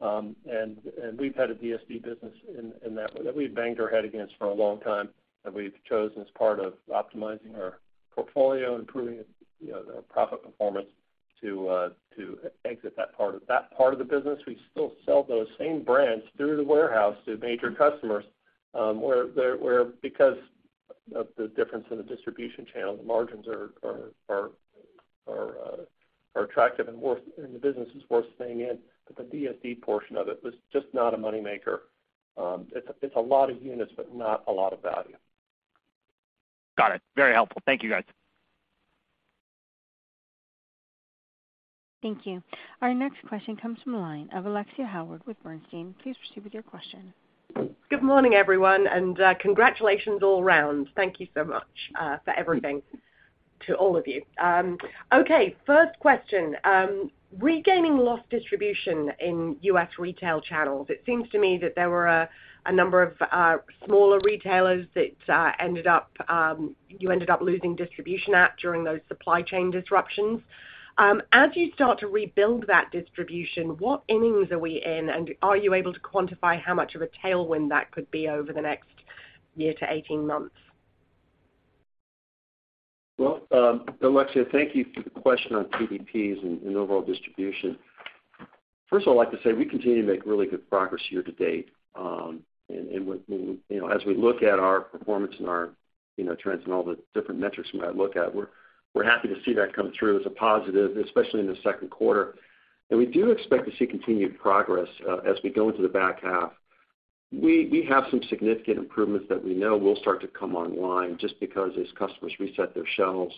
And we've had a DSD business in that we've banged our head against for a long time, that we've chosen as part of optimizing our portfolio, improving, you know, the profit performance to exit that part of the business. We still sell those same brands through the warehouse to major customers, where because of the difference in the distribution channel, the margins are attractive and the business is worth staying in. The DSD portion of it was just not a money maker. It's a lot of units, but not a lot of value. Got it. Very helpful. Thank you, guys. Thank you. Our next question comes from the line of Alexia Howard with Bernstein. Please proceed with your question. Good morning, everyone. Congratulations all around. Thank you so much for everything to all of you. Okay, first question. Regaining lost distribution in U.S. retail channels, it seems to me that there were a number of smaller retailers that ended up losing distribution at during those supply chain disruptions. As you start to rebuild that distribution, what innings are we in? Are you able to quantify how much of a tailwind that could be over the next year to 18 months? Well, Alexia, thank you for the question on TDPs and overall distribution. First of all, I'd like to say we continue to make really good progress year to date. And with, you know, as we look at our performance and our, you know, trends and all the different metrics we might look at, we're happy to see that come through as a positive, especially in the second quarter. We do expect to see continued progress as we go into the back half. We have some significant improvements that we know will start to come online just because as customers reset their shelves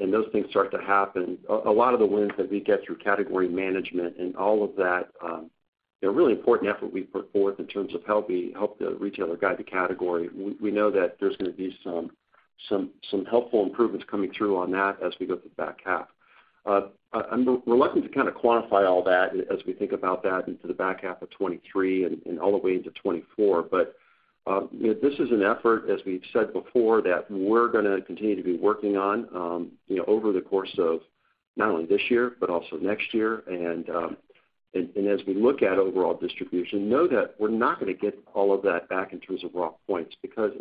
and those things start to happen, a lot of the wins that we get through category management and all of that, you know, really important effort we put forth in terms of how we help the retailer guide the category, we know that there's gonna be some helpful improvements coming through on that as we go through the back half. We're looking to kind of quantify all that as we think about that into the back half of 2023 and all the way into 2024. you know, this is an effort, as we've said before, that we're gonna continue to be working on, you know, over the course of not only this year, but also next year. As we look at overall distribution, know that we're not gonna get all of that back in terms of raw points, because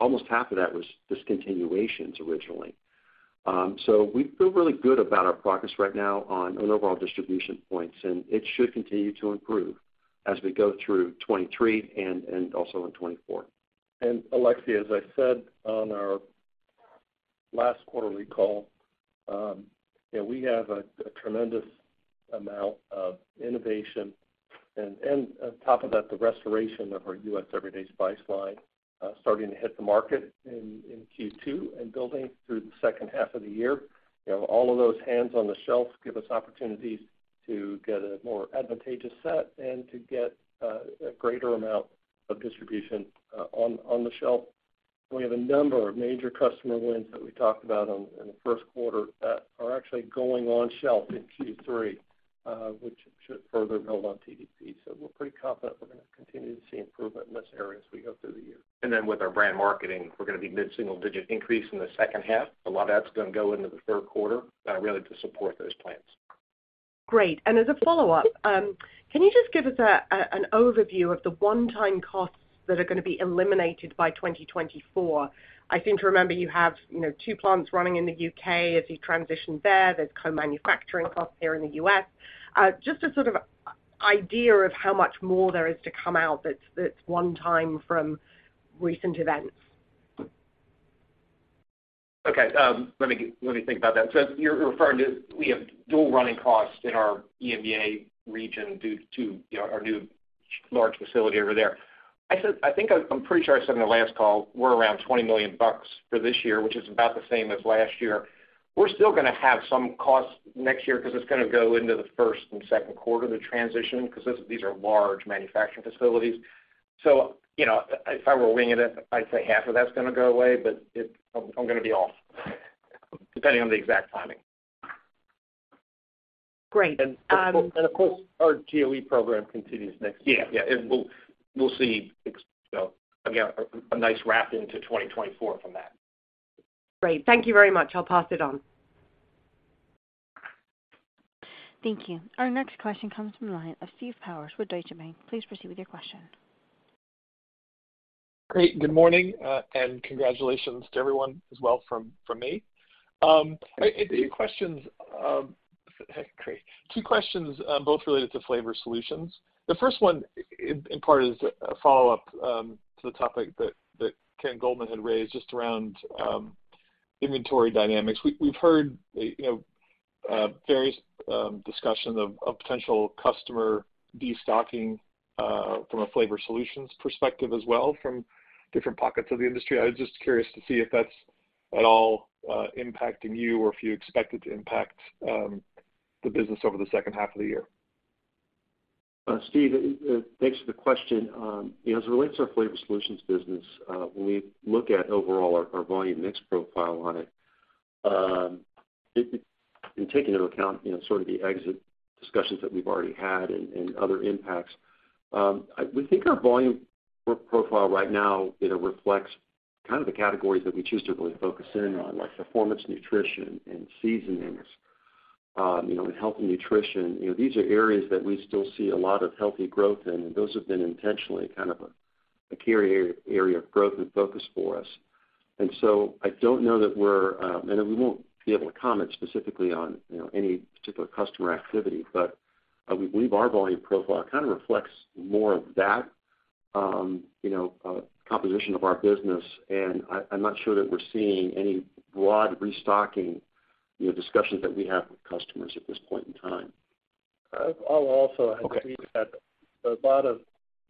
almost half of that was discontinuations originally. We feel really good about our progress right now on overall distribution points, and it should continue to improve as we go through 2023 and also in 2024. Alexia, as I said on our last quarterly call, you know, we have a tremendous amount of innovation and on top of that, the restoration of our US Everyday Spice line, starting to hit the market in Q2 and building through the 2nd half of the year. You know, all of those hands on the shelves give us opportunities to get a more advantageous set and to get a greater amount of distribution on the shelf. We have a number of major customer wins that we talked about in the 1st quarter that are actually going on shelf in Q3, which should further build on TDP. We're pretty confident we're gonna continue to see improvement in this area as we go through the year. With our brand marketing, we're gonna be mid-single-digit increase in the second half. A lot of that's gonna go into the third quarter, really to support those plans. Great. As a follow-up, can you just give us an overview of the one-time costs that are gonna be eliminated by 2024? I seem to remember you have, you know, 2 plants running in the UK as you transition there. There's co-manufacturing costs here in the US. Just a sort of idea of how much more there is to come out that's one time from recent events. Okay, let me think about that. You're referring to, we have dual running costs in our EMEA region due to, you know, our new large facility over there. I'm pretty sure I said in the last call, we're around $20 million for this year, which is about the same as last year. We're still gonna have some costs next year because it's gonna go into the first and second quarter, the transition, because these are large manufacturing facilities. You know, if I were winging it, I'd say half of that's gonna go away, but I'm gonna be off, depending on the exact timing. Great. Of course, our GOE program continues next year. Yeah, we'll see, again, a nice wrap into 2024 from that. Great. Thank you very much. I'll pass it on. Thank you. Our next question comes from the line of Steve Powers with Deutsche Bank. Please proceed with your question. Great, good morning, and congratulations to everyone as well from me. A few questions, hey, great. Two questions, both related to flavor solutions. The first one, in part, is a follow-up to the topic that Ken Goldman had raised, just around inventory dynamics. We've heard, you know, various discussions of potential customer destocking from a flavor solutions perspective as well, from different pockets of the industry. I was just curious to see if that's at all impacting you or if you expect it to impact the business over the second half of the year. Steve, thanks for the question. You know, as it relates to our flavor solutions business, when we look at overall our volume mix profile on it, and taking into account, you know, sort of the exit discussions that we've already had and other impacts, we think our volume profile right now, you know, reflects kind of the categories that we choose to really focus in on, like performance nutrition and seasonings, you know, and health and nutrition. You know, these are areas that we still see a lot of healthy growth in, and those have been intentionally kind of a key area of growth and focus for us. I don't know that we're, and we won't be able to comment specifically on, you know, any particular customer activity, but, we believe our volume profile kind of reflects more of that, you know, composition of our business, and I'm not sure that we're seeing any broad restocking, you know, discussions that we have with customers at this point in time. I'll also add. Okay. We've had a lot of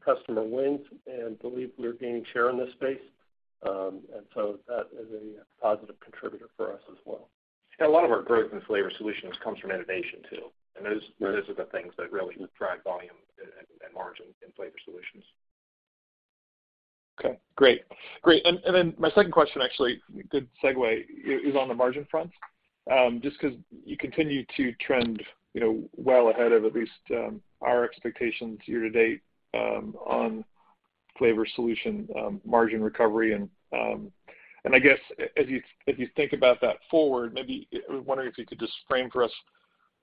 customer wins and believe we're gaining share in this space, and so that is a positive contributor for us as well. Yeah, a lot of our growth in flavor solutions comes from innovation, too, and those are the things that really drive volume and margin in flavor solutions. Okay, great. Great, and then my second question, actually, good segue, is on the margin front. Just 'cause you continue to trend, you know, well ahead of at least, our expectations year to date, on flavor solution, margin recovery. I guess as you think about that forward, maybe I was wondering if you could just frame for us,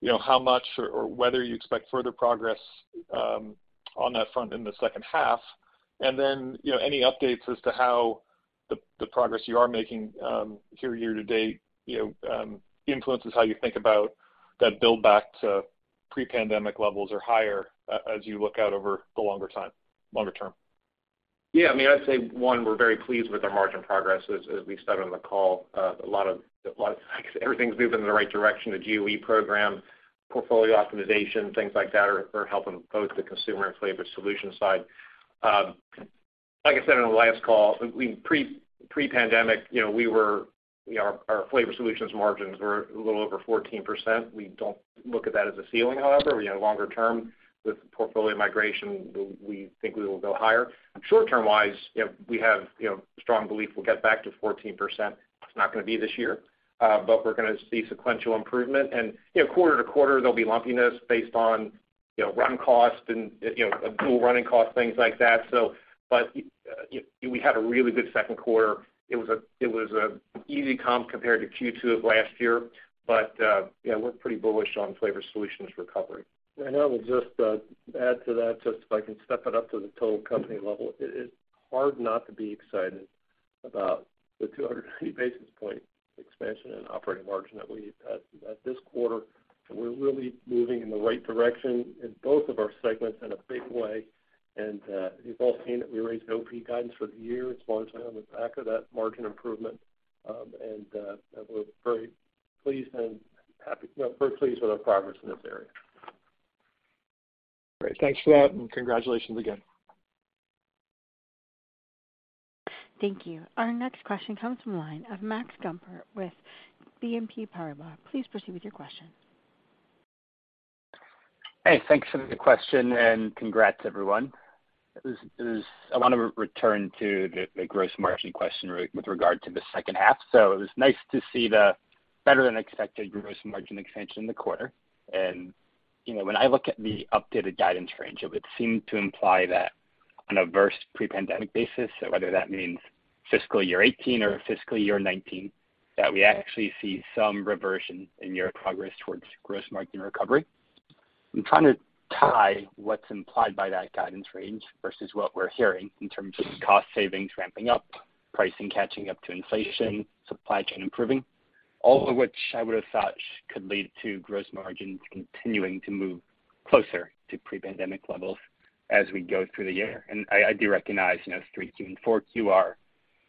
you know, how much or whether you expect further progress, on that front in the second half. Then, you know, any updates as to how the progress you are making, here year to date, you know, influences how you think about that build back to pre-pandemic levels or higher as you look out over the longer time, longer term. Yeah, I mean, I'd say, one, we're very pleased with our margin progress. As we said on the call, a lot of, everything's moving in the right direction, the GOE program, portfolio optimization, things like that are helping both the consumer and flavor solution side. Like I said, in the last call, we pre-pandemic, you know, we were, you know, our flavor solutions margins were a little over 14%. We don't look at that as a ceiling, however, we know longer term with portfolio migration, we think we will go higher. Short-term wise, you know, we have, you know, strong belief we'll get back to 14%. It's not gonna be this year, but we're gonna see sequential improvement. You know, quarter to quarter, there'll be lumpiness based on, you know, run cost and, you know, dual running costs, things like that. But we had a really good second quarter. It was an easy comp compared to Q2 of last year, but, yeah, we're pretty bullish on flavor solutions recovery. I will just add to that, just if I can step it up to the total company level. It is hard not to be excited about the 200 basis point expansion and operating margin that we had at this quarter. We're really moving in the right direction in both of our segments in a big way. You've all seen that we raised the OP guidance for the year as well as on the back of that margin improvement. We're very pleased and happy, no, very pleased with our progress in this area. Great. Thanks for that, and congratulations again. Thank you. Our next question comes from the line of Max Gumport with BNP Paribas. Please proceed with your question. Hey, thanks for the question, and congrats, everyone. I want to return to the gross margin question with regard to the second half. It was nice to see the better-than-expected gross margin expansion in the quarter. You know, when I look at the updated guidance range, it would seem to imply that on a verse pre-pandemic basis, whether that means fiscal year 18 or fiscal year 19, that we actually see some reversion in your progress towards gross margin recovery. I'm trying to tie what's implied by that guidance range versus what we're hearing in terms of cost savings, ramping up, pricing, catching up to inflation, supply chain improving, all of which I would have thought could lead to gross margins continuing to move closer to pre-pandemic levels as we go through the year. I do recognize, you know, 3Q and 4Q are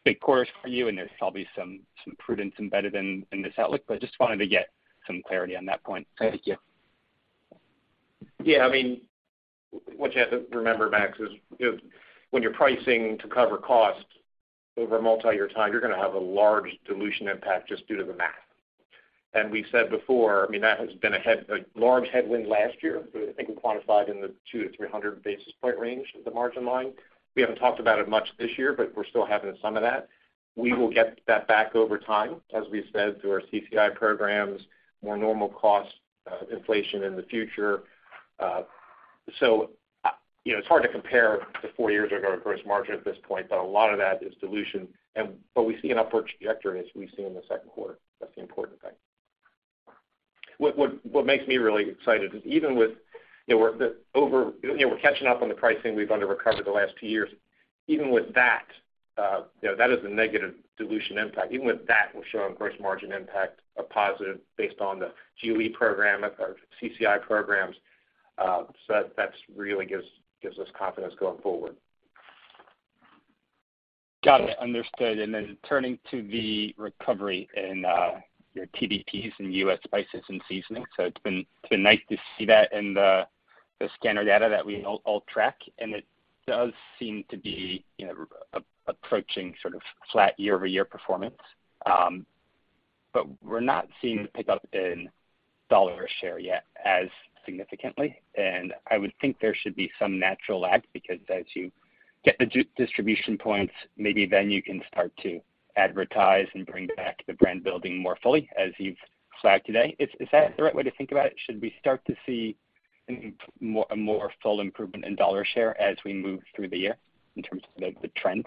big quarters for you, and there's probably some prudence embedded in this outlook, but just wanted to get some clarity on that point. Thank you. Yeah, I mean, what you have to remember, Max Gumport, is, you know, when you're pricing to cover costs over a multiyear time, you're gonna have a large dilution impact just due to the math. And we said before, I mean, that has been a large headwind last year. I think we quantified in the 200-300 basis point range of the margin line. We haven't talked about it much this year, but we're still having some of that. We will get that back over time, as we said, through our CCI programs, more normal cost inflation in the future. So, you know, it's hard to compare to 4 years ago, gross margin at this point, but a lot of that is dilution. And, but we see an upward trajectory as we've seen in the second quarter. That's the important thing. What makes me really excited is even with, you know, we're catching up on the pricing we've underrecovered the last 2 years. Even with that, you know, that is a negative dilution impact. Even with that, we're showing gross margin impact, a positive based on the GOE program or CCI programs. That's really gives us confidence going forward. Got it, understood. Turning to the recovery in your TDPs and U.S. spices and seasoning. It's been nice to see that in the scanner data that we all track, and it does seem to be approaching sort of flat year-over-year performance. We're not seeing the pickup in dollar share yet as significantly, and I would think there should be some natural lag because as you get the distribution points, maybe then you can start to advertise and bring back the brand building more fully, as you've flagged today. Is that the right way to think about it? Should we start to see a more full improvement in dollar share as we move through the year in terms of the trends?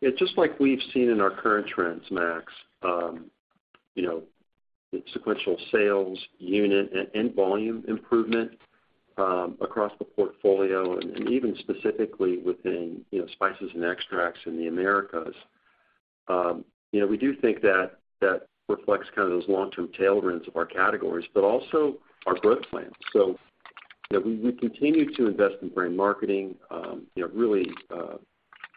Yeah, just like we've seen in our current trends, Max, you know, the sequential sales unit and volume improvement across the portfolio and even specifically within, you know, spices and extracts in the Americas. You know, we do think that that reflects kind of those long-term tailwinds of our categories, but also our growth plan. You know, we continue to invest in brand marketing, you know, really,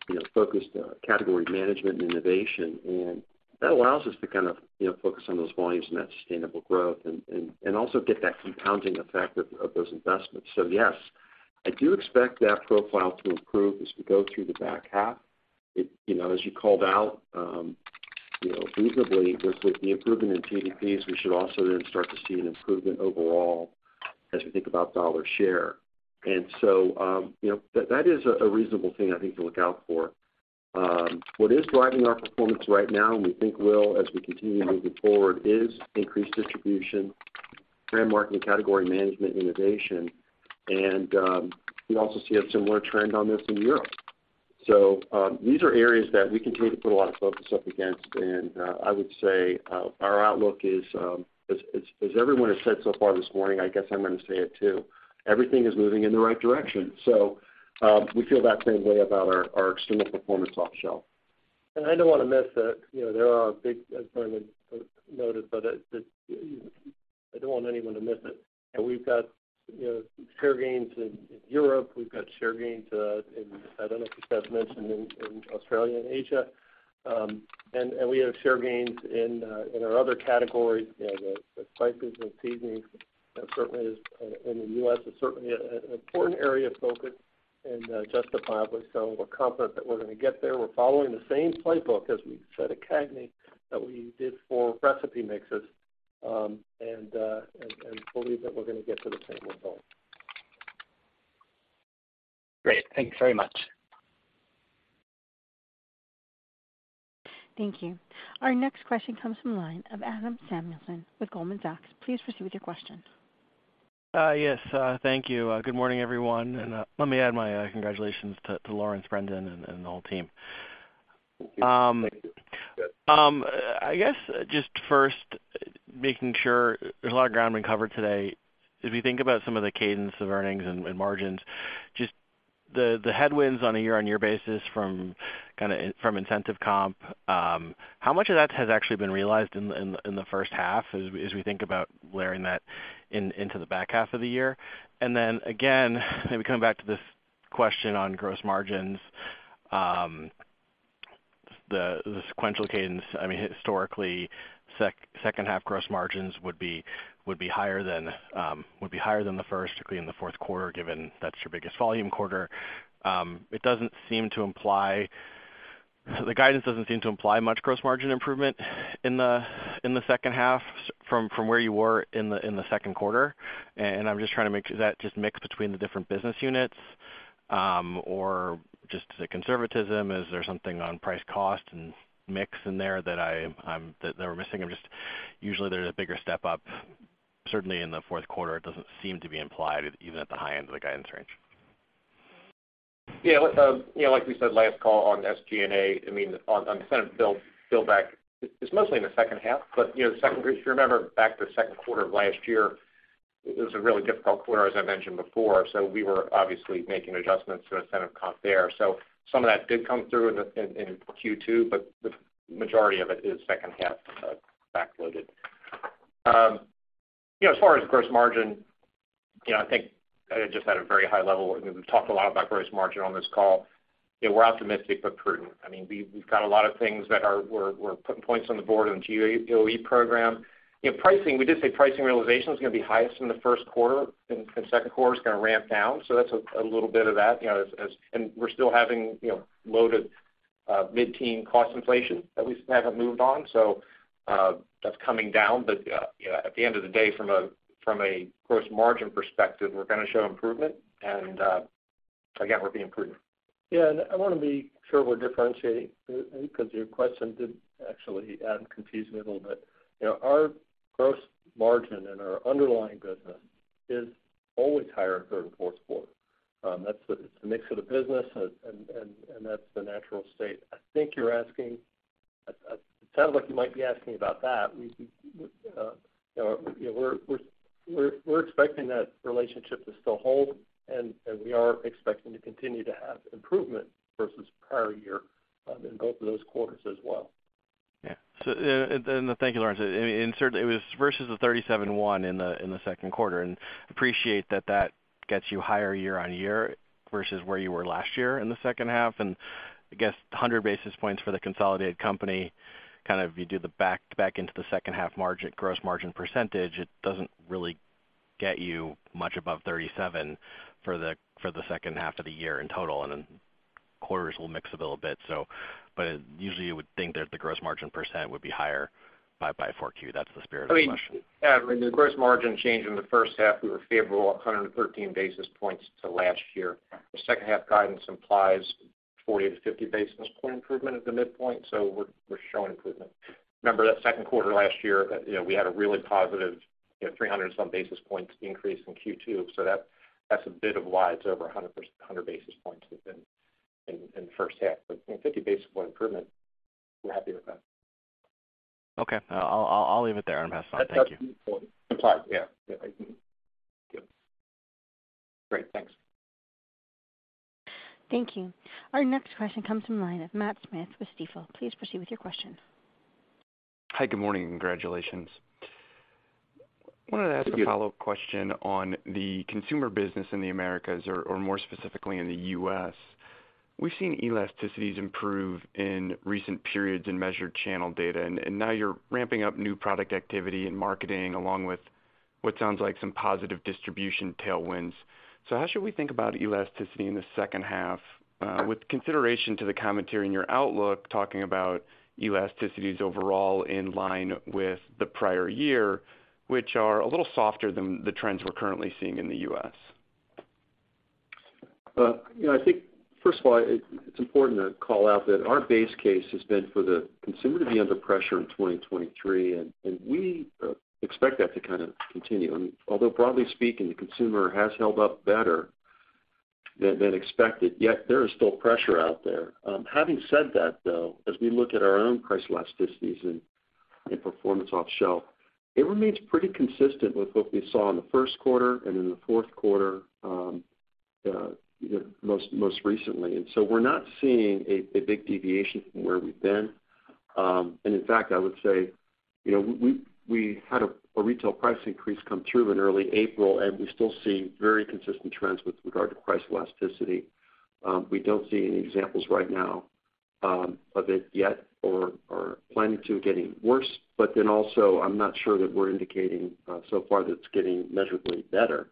you know, focused on category management and innovation, and that allows us to kind of, you know, focus on those volumes and that sustainable growth and, and also get that compounding effect of those investments. Yes, I do expect that profile to improve as we go through the back half. It, you know, as you called out, you know, reasonably, with the improvement in TDPs, we should also then start to see an improvement overall as we think about dollar share. You know, that is a reasonable thing, I think, to look out for. What is driving our performance right now, and we think will, as we continue moving forward, is increased distribution, brand marketing, category management, innovation, and we also see a similar trend on this in Europe. These are areas that we continue to put a lot of focus up against, and I would say our outlook is as everyone has said so far this morning, I guess I'm gonna say it, too. Everything is moving in the right direction. We feel that same way about our external performance off shelf. I don't wanna miss that. You know, there are big, as Brendan noted, just I don't want anyone to miss it. We've got, you know, share gains in Europe. We've got share gains in, I don't know if you guys mentioned in Australia and Asia. And we have share gains in our other categories, you know, the spices and seasonings, and certainly is in the U.S., is certainly an important area of focus and justifiably so. We're confident that we're gonna get there. We're following the same playbook as we said at CAGNY, that we did for recipe mixes, and believe that we're gonna get to the same result. Great. Thank you very much. Thank you. Our next question comes from the line of Adam Samuelson with Goldman Sachs. Please proceed with your question. Yes, thank you. Good morning, everyone, and, let me add my, congratulations to Lawrence, Brendan, and the whole team. Thank you. I guess just first, making sure there's a lot of ground being covered today. If you think about some of the cadence of earnings and margins, just the headwinds on a year-on-year basis from kinda, from incentive comp, how much of that has actually been realized in the first half, as we think about layering that into the back half of the year? Then again, maybe coming back to this question on gross margins, the sequential cadence, I mean, historically, second half gross margins would be higher than the first, particularly in the fourth quarter, given that's your biggest volume quarter. The guidance doesn't seem to imply much gross margin improvement in the second half from where you were in the second quarter. I'm just trying to make sure that just mix between the different business units or just the conservatism. Is there something on price, cost, and mix in there that I that we're missing? Usually, there's a bigger step up, certainly in the fourth quarter. It doesn't seem to be implied, even at the high end of the guidance range. Look, you know, like we said, last call on SG&A, I mean, on the Senate bill back, it's mostly in the second half. You know, if you remember back to the second quarter of last year, ... it was a really difficult quarter, as I mentioned before, we were obviously making adjustments to incentive comp there. Some of that did come through in Q2, but the majority of it is second half backloaded. You know, as far as gross margin, you know, I think I just had a very high level. We've talked a lot about gross margin on this call. You know, we're optimistic but prudent. I mean, we've got a lot of things that are, we're putting points on the board on the GOE program. You know, pricing, we did say pricing realization is gonna be highest in the first quarter, and the second quarter is gonna ramp down. That's a little bit of that, you know, as... We're still having, you know, loaded, mid-teen cost inflation that we haven't moved on. That's coming down. You know, at the end of the day, from a, from a gross margin perspective, we're gonna show improvement, and, again, we're being prudent. I wanna be sure we're differentiating because your question did actually confuse me a little bit. You know, our gross margin and our underlying business is always higher in the third and fourth quarter. That's the, it's the mix of the business, and that's the natural state. I think you're asking, it sounds like you might be asking about that. We, you know, we're expecting that relationship to still hold, and we are expecting to continue to have improvement versus prior year in both of those quarters as well. Thank you, Lawrence. Certainly, it was versus the 37.1 in the second quarter. Appreciate that that gets you higher year-over-year versus where you were last year in the second half. I guess 100 basis points for the consolidated company, kind of you do the back-to-back into the second half margin, gross margin percentage, it doesn't really get you much above 37 for the second half of the year in total, and then quarters will mix a little bit. But usually, you would think that the gross margin percent would be higher by 4Q. That's the spirit of the question. I mean, the gross margin change in the first half, we were favorable 113 basis points to last year. The second half guidance implies 40 to 50 basis point improvement at the midpoint. We're showing improvement. Remember that second quarter last year, you know, we had a really positive, you know, 300 some basis points increase in Q2. That's a bit of why it's over 100 basis points in the first half. You know, 50 basis point improvement, we're happy with that. Okay, I'll leave it there on that side. Thank you. Yeah. Great, thanks. Thank you. Our next question comes from the line of Matthew Smith with Stifel. Please proceed with your question. Hi, good morning, and congratulations. Thank you. Wanted to ask a follow-up question on the consumer business in the Americas, or more specifically in the U.S. We've seen elasticities improve in recent periods in measured channel data, and now you're ramping up new product activity and marketing, along with what sounds like some positive distribution tailwinds. How should we think about elasticity in the second half, with consideration to the commentary in your outlook, talking about elasticities overall in line with the prior year, which are a little softer than the trends we're currently seeing in the U.S.? you know, I think, first of all, it's important to call out that our base case has been for the consumer to be under pressure in 2023, and we expect that to kind of continue. Although broadly speaking, the consumer has held up better than expected, yet there is still pressure out there. Having said that, though, as we look at our own price elasticities and performance off shelf, it remains pretty consistent with what we saw in the first quarter and in the fourth quarter, you know, most recently. We're not seeing a big deviation from where we've been. In fact, I would say, you know, we had a retail price increase come through in early April, and we still see very consistent trends with regard to price elasticity. We don't see any examples right now, of it yet or planning to getting worse. Also, I'm not sure that we're indicating, so far that it's getting measurably better.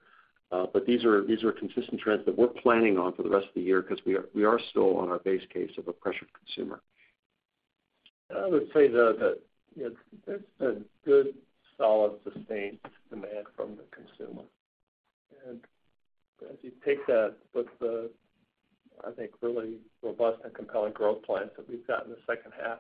These are consistent trends that we're planning on for the rest of the year because we are still on our base case of a pressured consumer. I would say, though, that, you know, there's a good, solid, sustained demand from the consumer. As you take that with the, I think, really robust and compelling growth plans that we've got in the second half,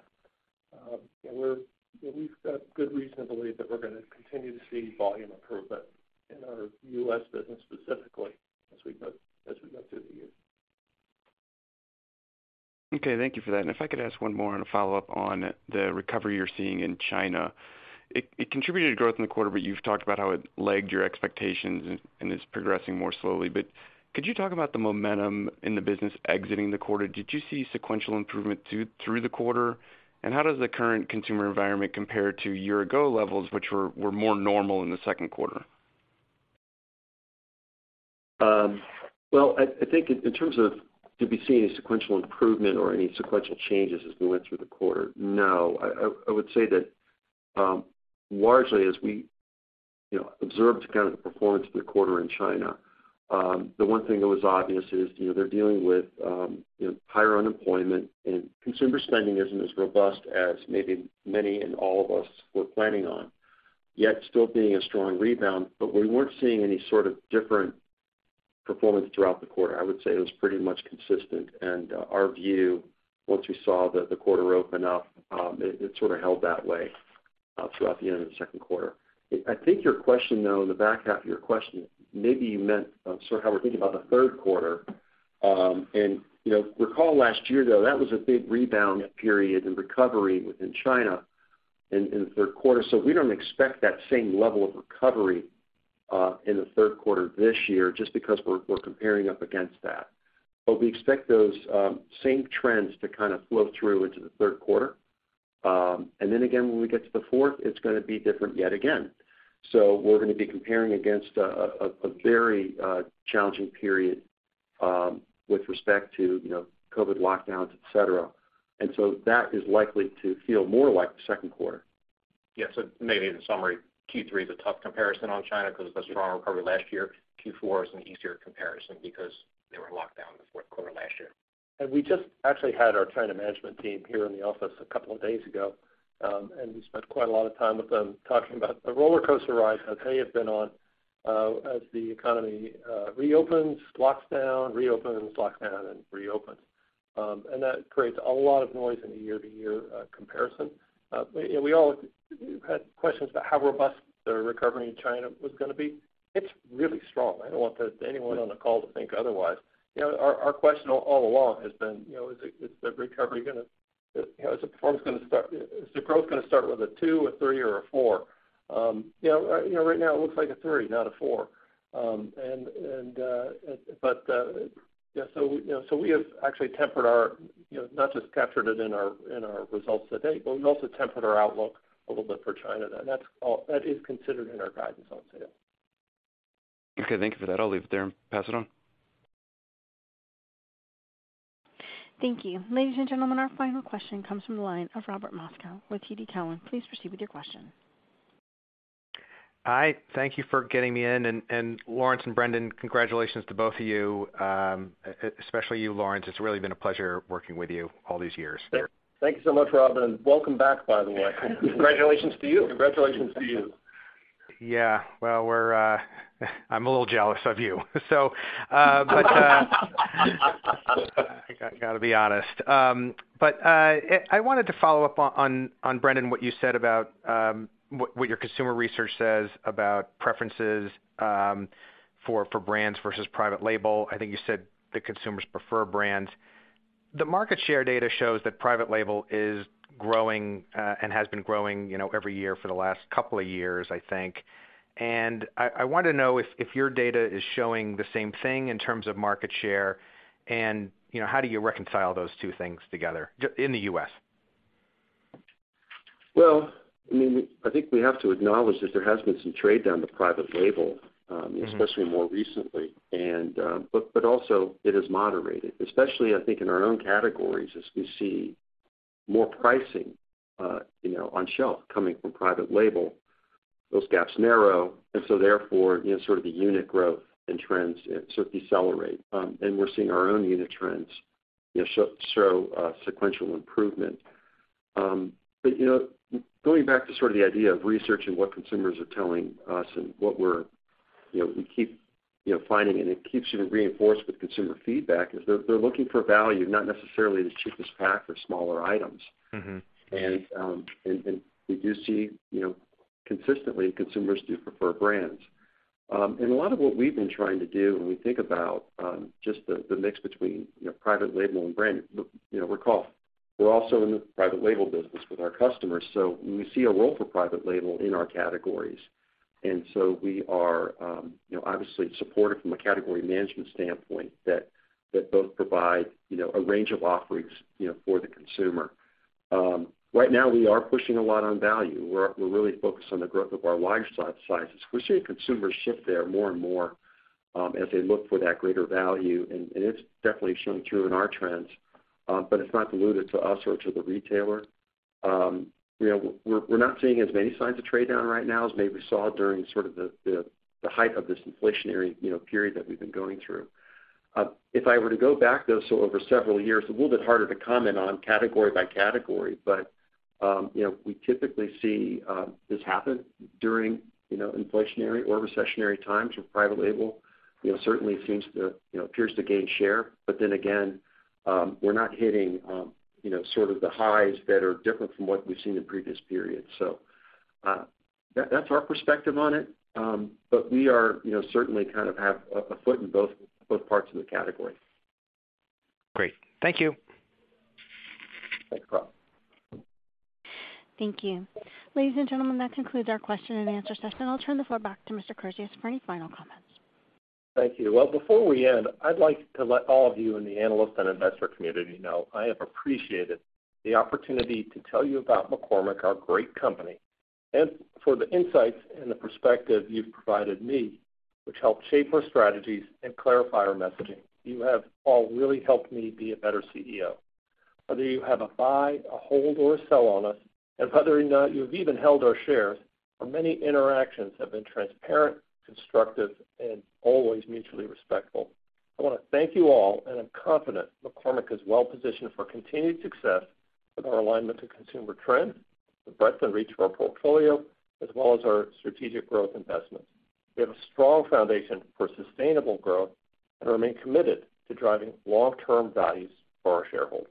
we've got good reason to believe that we're gonna continue to see volume improvement in our U.S. business specifically as we go through the year. Okay, thank you for that. If I could ask one more and a follow-up on the recovery you're seeing in China. It contributed to growth in the quarter, but you've talked about how it lagged your expectations and is progressing more slowly. Could you talk about the momentum in the business exiting the quarter? Did you see sequential improvement through the quarter? How does the current consumer environment compare to year-ago levels, which were more normal in the second quarter? Well, I think in terms of, did we see any sequential improvement or any sequential changes as we went through the quarter? No, I, I would say that, largely as we, you know, observed kind of the performance of the quarter in China, the one thing that was obvious is, you know, they're dealing with, you know, higher unemployment, and consumer spending isn't as robust as maybe many and all of us were planning on, yet still being a strong rebound. We weren't seeing any sort of different performance throughout the quarter. I would say it was pretty much consistent, and, our view, once we saw the quarter open up, it sort of held that way, throughout the end of the second quarter. I think your question, though, in the back half of your question, maybe you meant sort of how we're thinking about the third quarter. You know, recall last year, though, that was a big rebound period in recovery within China in the third quarter. We don't expect that same level of recovery in the third quarter this year, just because we're comparing up against that. We expect those same trends to kind of flow through into the third quarter. Then again, when we get to the fourth, it's gonna be different yet again. We're gonna be comparing against a very challenging period with respect to, you know, COVID lockdowns, et cetera. That is likely to feel more like the second quarter. Yeah. Maybe in summary, Q3 is a tough comparison on China because of the strong recovery last year. Q4 is an easier comparison because they were locked down in the fourth quarter last year. We just actually had our China management team here in the office a couple of days ago, and we spent quite a lot of time with them talking about the rollercoaster ride that they have been on, as the economy reopens, locks down, reopens, locks down, and reopens. That creates a lot of noise in the year-to-year comparison. We all had questions about how robust the recovery in China was gonna be. It's really strong. I don't want anyone on the call to think otherwise. You know, our question all along has been, you know, is the growth gonna start with a 2, a 3, or a 4? You know, right now it looks like a 3, not a 4. Yeah, you know, we have actually tempered our, you know, not just captured it in our results to date, but we've also tempered our outlook a little bit for China. That's all. That is considered in our guidance on sale. Okay, thank you for that. I'll leave it there and pass it on. Thank you. Ladies and gentlemen, our final question comes from the line of Robert Moskow with TD Cowen. Please proceed with your question. Hi, thank you for getting me in. Lawrence and Brendan, congratulations to both of you, especially you, Lawrence. It's really been a pleasure working with you all these years. Thank you so much, Robert, and welcome back, by the way. Congratulations to you. Congratulations to you. Well, I'm a little jealous of you, but, I gotta be honest. I wanted to follow up on Brendan, what your consumer research says about preferences, for brands versus private label. I think you said that consumers prefer brands. The market share data shows that private label is growing, and has been growing, you know, every year for the last couple of years, I think. I want to know if your data is showing the same thing in terms of market share, and, you know, how do you reconcile those two things together in the U.S.? Well, I mean, I think we have to acknowledge that there has been some trade down to private label, especially more recently. But also it has moderated, especially, I think, in our own categories, as we see more pricing, you know, on shelf coming from private label. Those gaps narrow, therefore, you know, sort of the unit growth and trends sort of decelerate. We're seeing our own unit trends, you know, show sequential improvement. You know, going back to sort of the idea of research and what consumers are telling us and what we keep, you know, finding, and it keeps getting reinforced with consumer feedback, is they're looking for value, not necessarily the cheapest pack or smaller items. Mm-hmm. We do see, you know, consistently, consumers do prefer brands. A lot of what we've been trying to do when we think about, just the mix between, you know, private label and brand, you know, recall, we're also in the private label business with our customers, so we see a role for private label in our categories. We are, you know, obviously supportive from a category management standpoint, that both provide, you know, a range of offerings, you know, for the consumer. Right now, we are pushing a lot on value. We're really focused on the growth of our larger sizes. We're seeing consumers shift there more and more, as they look for that greater value, and it's definitely showing through in our trends, but it's not diluted to us or to the retailer. You know, we're not seeing as many signs of trade down right now as maybe we saw during sort of the height of this inflationary, you know, period that we've been going through. If I were to go back, though, so over several years, a little bit harder to comment on category by category, but, you know, we typically see this happen during, you know, inflationary or recessionary times with private label. You know, certainly seems to, you know, appears to gain share, but then again, we're not hitting, you know, sort of the highs that are different from what we've seen in previous periods. That's our perspective on it, but we are, you know, certainly kind of have a foot in both parts of the category. Great. Thank you. Thanks, Rob. Thank you. Ladies and gentlemen, that concludes our question and answer session. I'll turn the floor back to Mr. Kurzius for any final comments. Thank you. Well, before we end, I'd like to let all of you in the analyst and investor community know I have appreciated the opportunity to tell you about McCormick, our great company, and for the insights and the perspective you've provided me, which helped shape our strategies and clarify our messaging. You have all really helped me be a better CEO. Whether you have a buy, a hold, or a sell on us, and whether or not you've even held our shares, our many interactions have been transparent, constructive, and always mutually respectful. I want to thank you all, and I'm confident McCormick is well positioned for continued success with our alignment to consumer trends, the breadth and reach of our portfolio, as well as our strategic growth investments. We have a strong foundation for sustainable growth and remain committed to driving long-term values for our shareholders.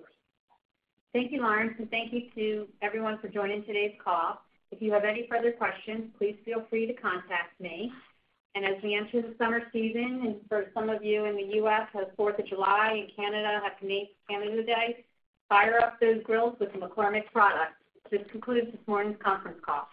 Thank you, Lawrence, and thank you to everyone for joining today's call. If you have any further questions, please feel free to contact me. As we enter the summer season, and for some of you in the U.S., have Fourth of July, in Canada, have late Canada Day, fire up those grills with the McCormick products. This concludes this morning's conference call.